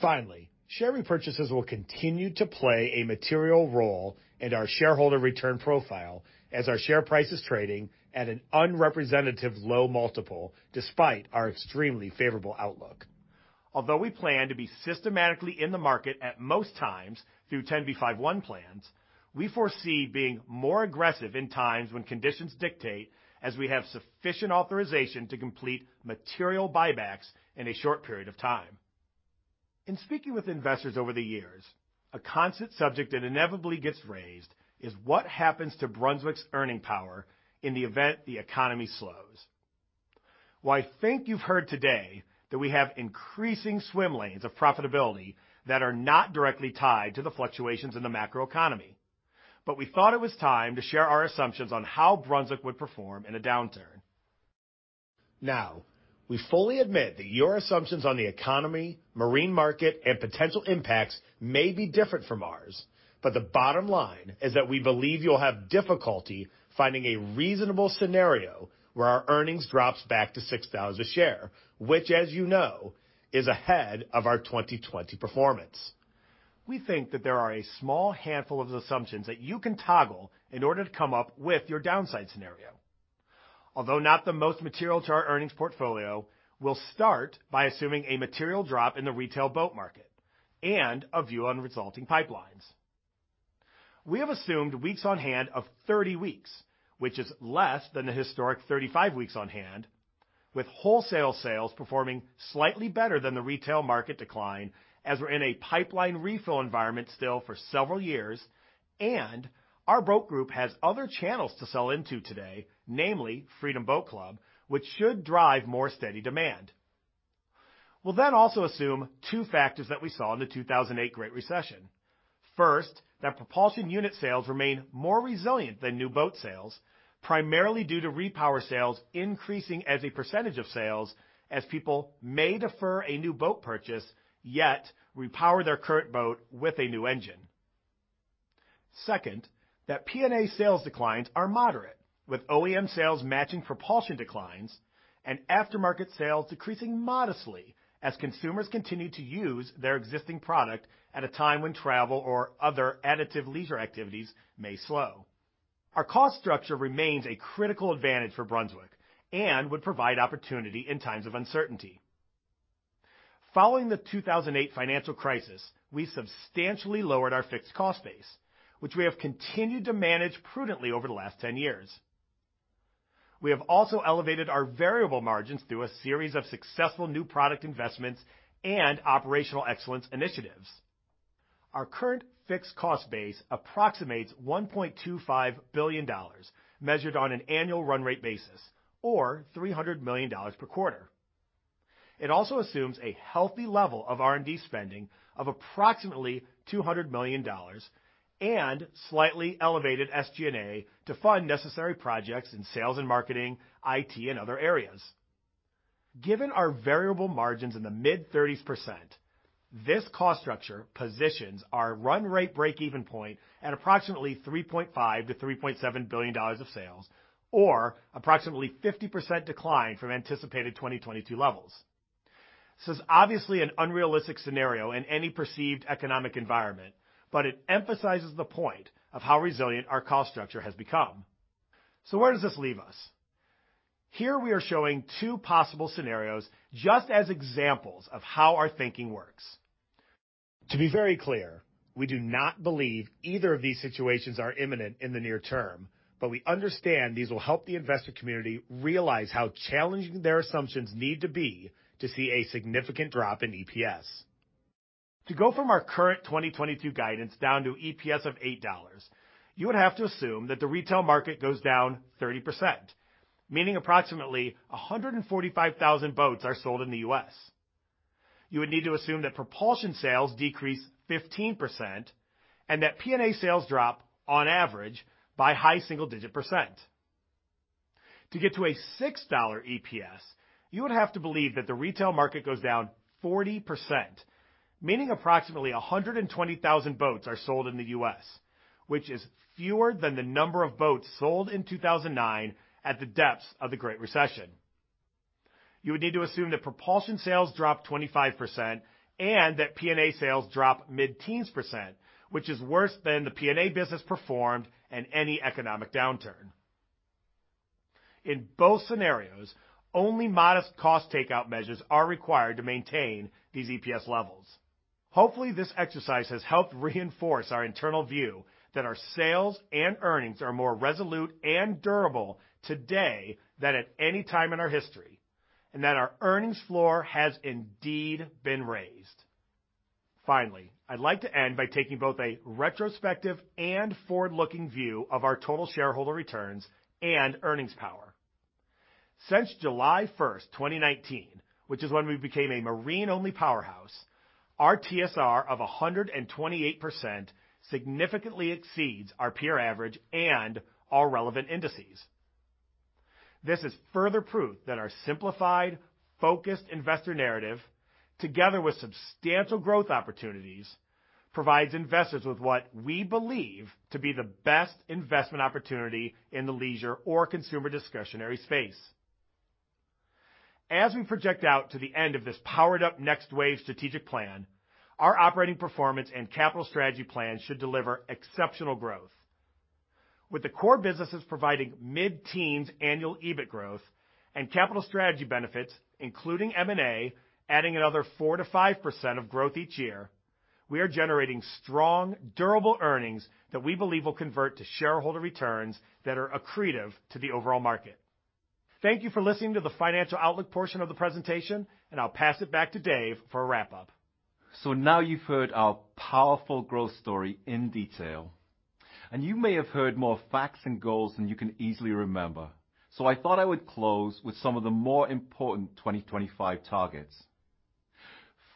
Finally, share repurchases will continue to play a material role in our shareholder return profile as our share price is trading at an unrepresentative low multiple despite our extremely favorable outlook. Although we plan to be systematically in the market at most times through 10b5-1 plans, we foresee being more aggressive in times when conditions dictate as we have sufficient authorization to complete material buybacks in a short period of time. In speaking with investors over the years, a constant subject that inevitably gets raised is what happens to Brunswick's earning power in the event the economy slows. Well, I think you've heard today that we have increasing swim lanes of profitability that are not directly tied to the fluctuations in the macro economy. We thought it was time to share our assumptions on how Brunswick would perform in a downturn. Now, we fully admit that your assumptions on the economy, marine market, and potential impacts may be different from ours, but the bottom line is that we believe you'll have difficulty finding a reasonable scenario where our earnings drops back to $6 a share, which as you know, is ahead of our 2020 performance. We think that there are a small handful of assumptions that you can toggle in order to come up with your downside scenario. Although not the most material to our earnings portfolio, we'll start by assuming a material drop in the retail boat market and a view on resulting pipelines. We have assumed weeks on hand of 30 weeks, which is less than the historic 35 weeks on hand, with wholesale sales performing slightly better than the retail market decline, as we're in a pipeline refill environment still for several years, and our boat group has other channels to sell into today, namely Freedom Boat Club, which should drive more steady demand. We'll then also assume two factors that we saw in the 2008 Great Recession. First, that propulsion unit sales remain more resilient than new boat sales, primarily due to repower sales increasing as a percentage of sales as people may defer a new boat purchase, yet repower their current boat with a new engine. Second, that P&A sales declines are moderate, with OEM sales matching propulsion declines and aftermarket sales decreasing modestly as consumers continue to use their existing product at a time when travel or other additive leisure activities may slow. Our cost structure remains a critical advantage for Brunswick and would provide opportunity in times of uncertainty. Following the 2008 financial crisis, we substantially lowered our fixed cost base, which we have continued to manage prudently over the last 10 years. We have also elevated our variable margins through a series of successful new product investments and operational excellence initiatives. Our current fixed cost base approximates $1.25 billion, measured on an annual run rate basis or $300 million per quarter. It also assumes a healthy level of R&D spending of approximately $200 million and slightly elevated SG&A to fund necessary projects in sales and marketing, IT, and other areas. Given our variable margins in the mid-30s%, this cost structure positions our run rate break-even point at approximately $3.5 billion-$3.7 billion of sales or approximately 50% decline from anticipated 2022 levels. This is obviously an unrealistic scenario in any perceived economic environment, but it emphasizes the point of how resilient our cost structure has become. Where does this leave us? Here we are showing two possible scenarios just as examples of how our thinking works. To be very clear, we do not believe either of these situations are imminent in the near term, but we understand these will help the investor community realize how challenging their assumptions need to be to see a significant drop in EPS. To go from our current 2022 guidance down to EPS of $8, you would have to assume that the retail market goes down 30%, meaning approximately 145,000 boats are sold in the U.S. You would need to assume that propulsion sales decrease 15% and that P&A sales drop on average by high single-digit percent. To get to a $6 EPS, you would have to believe that the retail market goes down 40%, meaning approximately 120,000 boats are sold in the U.S., which is fewer than the number of boats sold in 2009 at the depths of the Great Recession. You would need to assume that propulsion sales drop 25% and that P&A sales drop mid-teens%, which is worse than the P&A business performed in any economic downturn. In both scenarios, only modest cost takeout measures are required to maintain these EPS levels. Hopefully, this exercise has helped reinforce our internal view that our sales and earnings are more resolute and durable today than at any time in our history, and that our earnings floor has indeed been raised. Finally, I'd like to end by taking both a retrospective and forward-looking view of our total shareholder returns and earnings power. Since July 1st, 2019, which is when we became a marine-only powerhouse, our TSR of 128% significantly exceeds our peer average and our relevant indices. This is further proof that our simplified, focused investor narrative, together with substantial growth opportunities, provides investors with what we believe to be the best investment opportunity in the leisure or consumer discretionary space. As we project out to the end of this powered-up Next Wave strategic plan, our operating performance and capital strategy plan should deliver exceptional growth. With the core businesses providing mid-teens annual EBIT growth and capital strategy benefits, including M&A, adding another 4%-5% of growth each year, we are generating strong, durable earnings that we believe will convert to shareholder returns that are accretive to the overall market. Thank you for listening to the financial outlook portion of the presentation, and I'll pass it back to Dave for a wrap-up. Now you've heard our powerful growth story in detail, and you may have heard more facts and goals than you can easily remember. I thought I would close with some of the more important 2025 targets.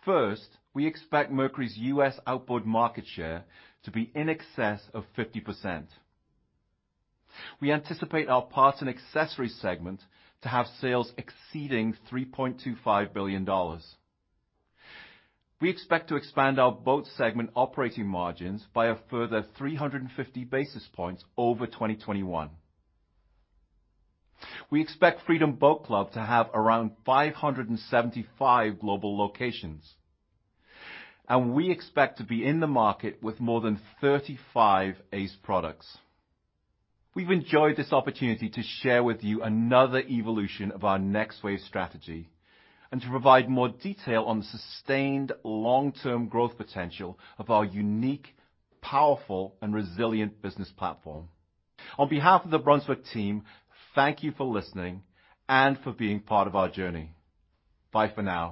First, we expect Mercury's U.S. outboard market share to be in excess of 50%. We anticipate our parts and accessories segment to have sales exceeding $3.25 billion. We expect to expand our boats segment operating margins by a further 350 basis points over 2021. We expect Freedom Boat Club to have around 575 global locations, and we expect to be in the market with more than 35 ACE products. We've enjoyed this opportunity to share with you another evolution of our Next Wave strategy and to provide more detail on the sustained long-term growth potential of our unique, powerful, and resilient business platform. On behalf of the Brunswick team, thank you for listening and for being part of our journey. Bye for now.